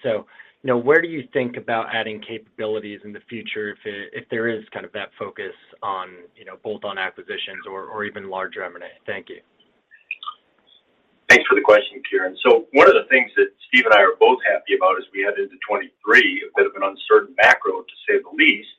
You know, where do you think about adding capabilities in the future if there is kind of that focus on, you know, bolt-on acquisitions or even larger M&A? Thank you. Thanks for the question, Kieran. One of the things that Steve and I are both happy about as we head into 2023, a bit of an uncertain macro, to say the least.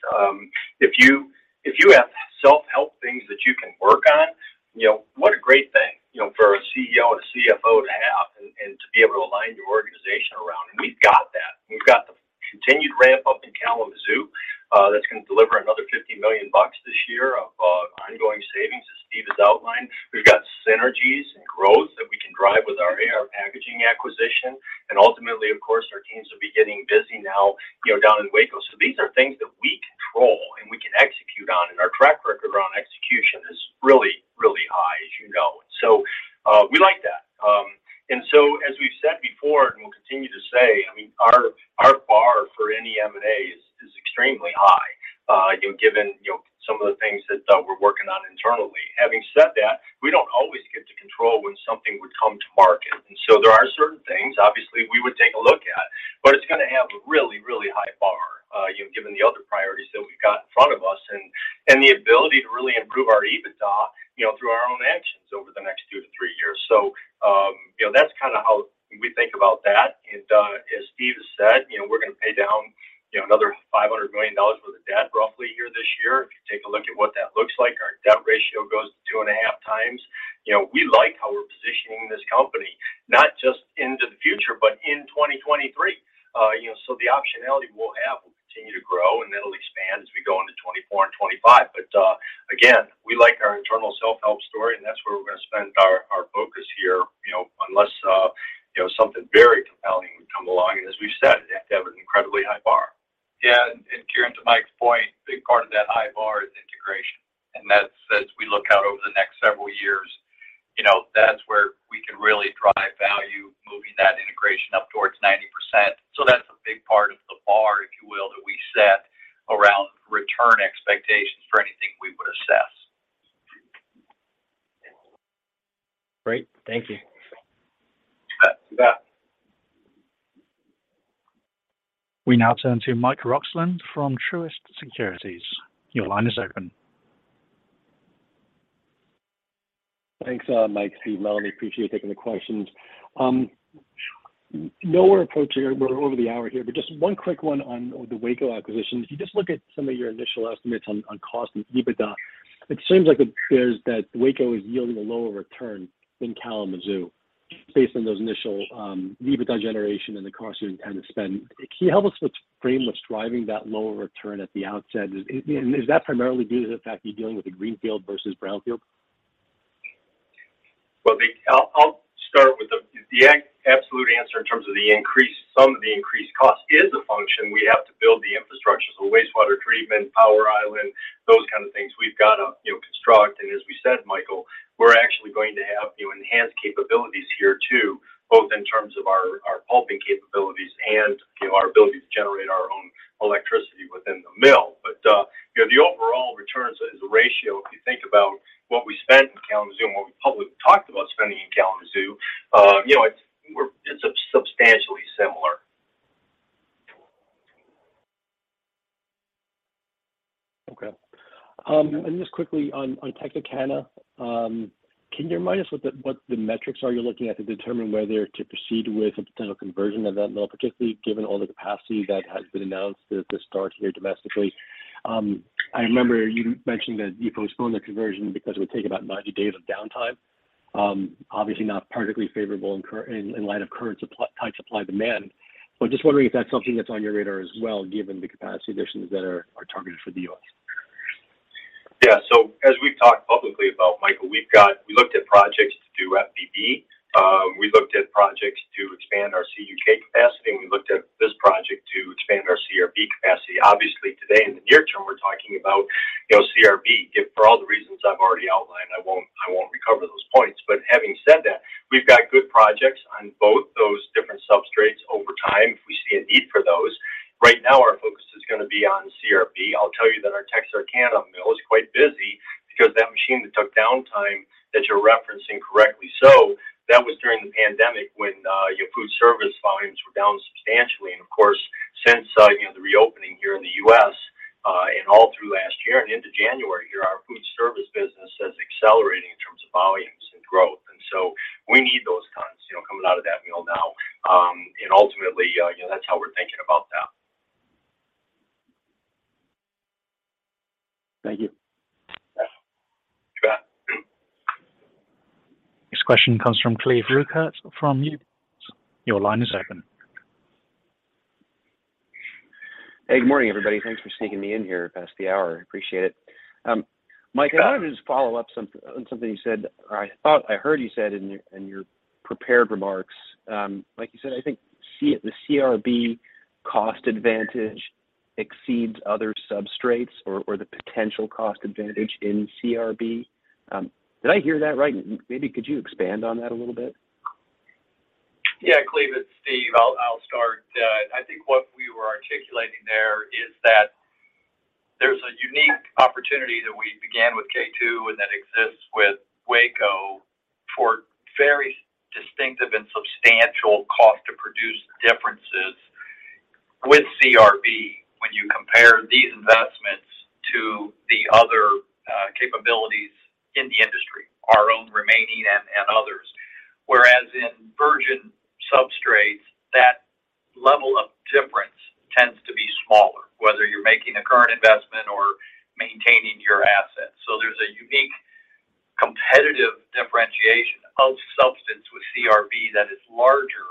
If you, if you have self-help things that you can work on, you know, what a great thing, you know, for a CEO and a CFO to have and to be able to align your organization around. We've got that. We've got the continued ramp up in Kalamazoo, that's gonna deliver another $50 million this year of, ongoing savings, as Steve has outlined. We've got synergies and growth that we can drive with our AR Packaging acquisition. Ultimately, of course, our teams will be getting busy now, you know, down in Waco. These are things that we control, and we can execute on, and our track record around execution is really, really high, as you know. We like that. As we've said before, and we'll continue to say, I mean, our bar for any M&A is extremely high, you know, given, you know, some of the things that we're working on internally. Having said that, we don't always get to control when something would come to market. There are certain things obviously we would take a look at, but it's gonna have a really, really high bar, you know, given the other priorities that we've got in front of us and the ability to really improve our EBITDA, you know, through our own actions over the next 2 years-3 years. You know, that's kinda how we think about that. As Steve has said, you know, we're gonna pay down, you know, another $500 million worth of debt roughly here this year. If you take a look at what that looks like, our debt ratio goes to 2.5x. You know, we like how we're positioning this company, not just into the future, but in 2023. You know, so the optionality we'll have will continue to grow, and it'll expand as we go into 2024 and 2025. Again, we like our internal self-help story, and that's where we're gonna spend our focus here, you know, unless, you know, something very compelling would come along. As we've said, they have an incredibly high bar. Yeah. Kieran, to Mike's point, big part of that high bar is integration. That's as we look out over the next several years, you know, that's where we can really drive value, moving that integration up towards 90%. That's a big part of the bar, if you will, that we set around return expectations for anything we would assess. Great. Thank you. You bet. You bet. We now turn to Michael Roxland from Truist Securities. Your line is open. Thanks, Mike, Steve, Melanie Skijus. Appreciate you taking the questions. I know we're over the hour here, but just one quick one on the Waco acquisition. If you just look at some of your initial estimates on cost and EBITDA, it seems like that Waco is yielding a lower return than Kalamazoo based on those initial EBITDA generation and the cost and kind of spend. Can you help us with frame what's driving that lower return at the outset? Is that primarily due to the fact you're dealing with a greenfield versus brownfield? Well, I'll start with the absolute answer in terms of the increased some of the increased cost is a function. We have to build the infrastructure, so wastewater treatment, power island, those kind of things. We've got to, you know, construct. As we said, Michael, we're actually going to have, you know, enhanced capabilities here, too, both in terms of our pulping capabilities and, you know, our ability to generate our own electricity within the mill. You know, the overall returns is a ratio. If you think about what we spent in Kalamazoo and what we publicly talked about spending in Kalamazoo, you know, it's substantially similar. Okay. Just quickly on Texarkana, can you remind us what the metrics are you're looking at to determine whether to proceed with a potential conversion of that mill, particularly given all the capacity that has been announced at the start here domestically? I remember you mentioned that you postponed the conversion because it would take about 90 days of downtime. Obviously not particularly favorable in light of current tight supply demand. Just wondering if that's something that's on your radar as well, given the capacity additions that are targeted for the U.S. Yeah. As we've talked publicly about, Michael, we looked at projects to do FBB. We looked at projects to expand our CUK capacity, and we looked at this project to expand our CRB capacity. Obviously, today in the near term, we're talking about, you know, CRB if for all the reasons I've already outlined. I won't recover those points. Having said that, we've got good projects on both those different substrates over time if we see a need for those. Right now, our focus is gonna be on CRB. I'll tell you that our Texarkana mill is quite busy because that machine that took downtime that you're referencing correctly so, that was during the pandemic when, you know, food service volumes were down substantially. Of course, since, you know, the reopening here in the U.S., and all through last year and into January here, our food service business has accelerated in terms of volumes and growth. We need those tons, you know, coming out of that mill now. Ultimately, you know, that's how we're thinking about that. Thank you. Yeah. This question comes from Cleveland Rueckert from UBS. Your line is open. Hey, good morning, everybody. Thanks for sneaking me in here past the hour. I appreciate it. Yeah. I wanted to just follow up on something you said, or I thought I heard you said in your prepared remarks. Like you said, I think the CRB cost advantage exceeds other substrates or the potential cost advantage in CRB. Did I hear that right? Maybe could you expand on that a little bit? Yeah, Cleve, it's Steve. I'll start. I think what we were articulating there is that there's a unique opportunity that we began with K2 and that exists with Aquacoat for very distinctive and substantial cost to produce differences with CRB when you compare these investments to the other capabilities in the industry, our own remaining and others. Whereas in virgin substrates, that level of difference tends to be smaller, whether you're making a current investment or maintaining your assets. There's a unique competitive differentiation of substance with CRB that is larger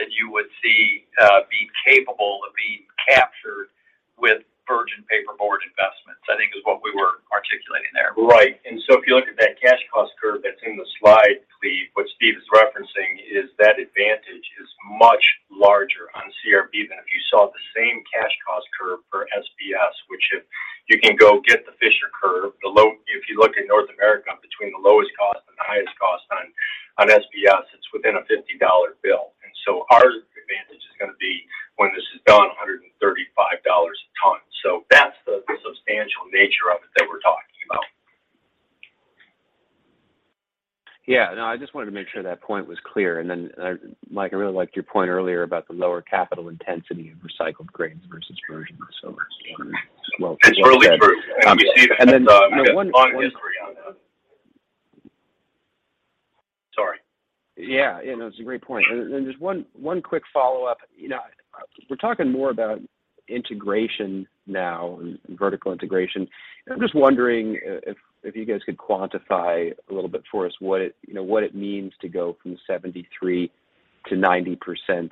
than you would see being capable of being captured with virgin paperboard investments, I think is what we were articulating there. Right. If you look at that cash cost curve that's in the slide, Cleve, what Steve is referencing is that advantage is much larger on CRB than if you saw the same cash cost curve for SBS, which if you can go get the Fisher curve, if you look at North America between the lowest cost and the highest cost on SBS, it's within a $50 bill. Our advantage is gonna be, when this is done, $135 a ton. That's the substantial nature of it that we're talking about. Yeah. No, I just wanted to make sure that point was clear. Mike, I really liked your point earlier about the lower capital intensity of recycled grains versus virgin. Just wondering as well. It's really true. We see that. you know, one. We have a long history on that. Sorry. Yeah. No, it's a great point. Just one quick follow-up. You know, we're talking more about integration now and vertical integration. I'm just wondering if you guys could quantify a little bit for us what it, you know, what it means to go from 73% to 90%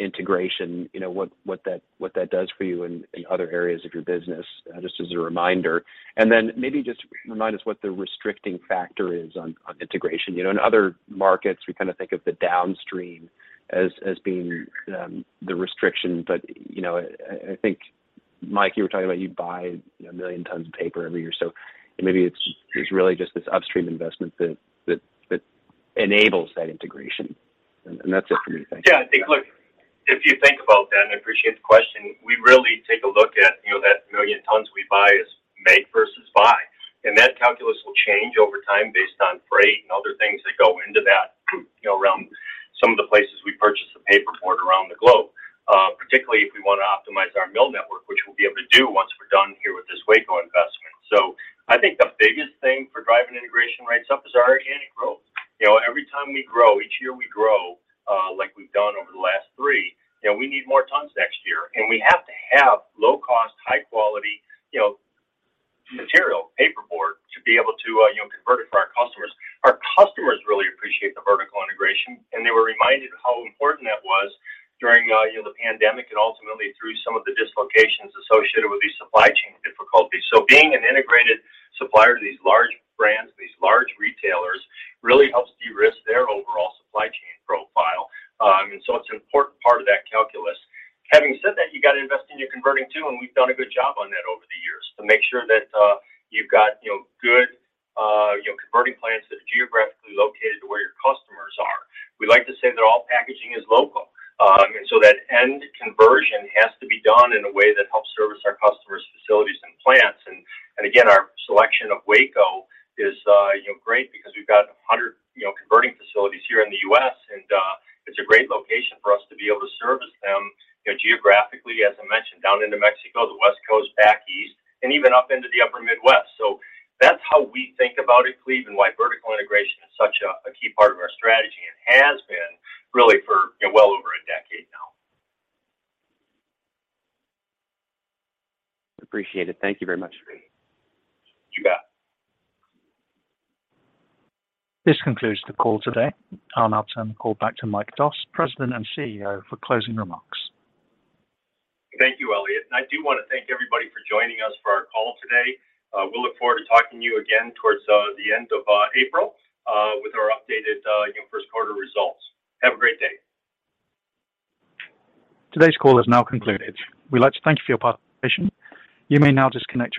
integration, you know, what that does for you in other areas of your business, just as a reminder. Maybe just remind us what the restricting factor is on integration. You know, in other markets, we kinda think of the downstream as being the restriction. You know, I think, Mike, you were talking about you buy, you know, 1 million tons of paper every year. Maybe it's really just this upstream investment that enables that integration. That's it for me. Thank you. Yeah. I think, look, if you think about that, and I appreciate the question, we really take a look at, you know, that 1 million tons we buy as make versus buy. That calculus will change over time based on freight and other things that go into that, you know, around some of the places we purchase the paperboard around the globe. Optimize our mill network, which we'll be able to do once we're done here with this Waco investment. I think the biggest thing for driving integration rates up is our organic growth. You know, every time we grow, each year we grow, like we've done over the last three, you know, we need more tons next year, and we have to have low cost, high quality, you know, material, paperboard to be able to, you know, convert it for our customers. Our customers really appreciate the vertical integration, and they were reminded of how important that was during, you know, the pandemic and ultimately through some of the dislocations associated with these supply chain difficulties. Being an integrated supplier to these large brands, these large retailers really helps de-risk their overall supply chain profile. It's an important part of that calculus. Having said that, you got to invest in your converting too, and we've done a good job on that over the years to make sure that, you've got, you know, good, you know, converting plants that are geographically located to where your customers are. We like to say that all packaging is local. That end conversion has to be done in a way that helps service our customers facilities and plants. Again, our selection of Waco is, you know, great because we've got 100, you know, converting facilities here in the U.S., and it's a great location for us to be able to service them, you know, geographically, as I mentioned, down into Mexico, the West Coast, back east, and even up into the upper Midwest. That's how we think about it, Cleve, and why vertical integration is such a key part of our strategy and has been really for, you know, well over a decade now. Appreciate it. Thank you very much. You bet. This concludes the call today. I'll now turn the call back to Michael Doss, President and CEO, for closing remarks. Thank you, Elliott. I do want to thank everybody for joining us for our call today. We'll look forward to talking to you again towards the end of April with our updated, you know, first quarter results. Have a great day. Today's call is now concluded. We'd like to thank you for your participation. You may now disconnect your-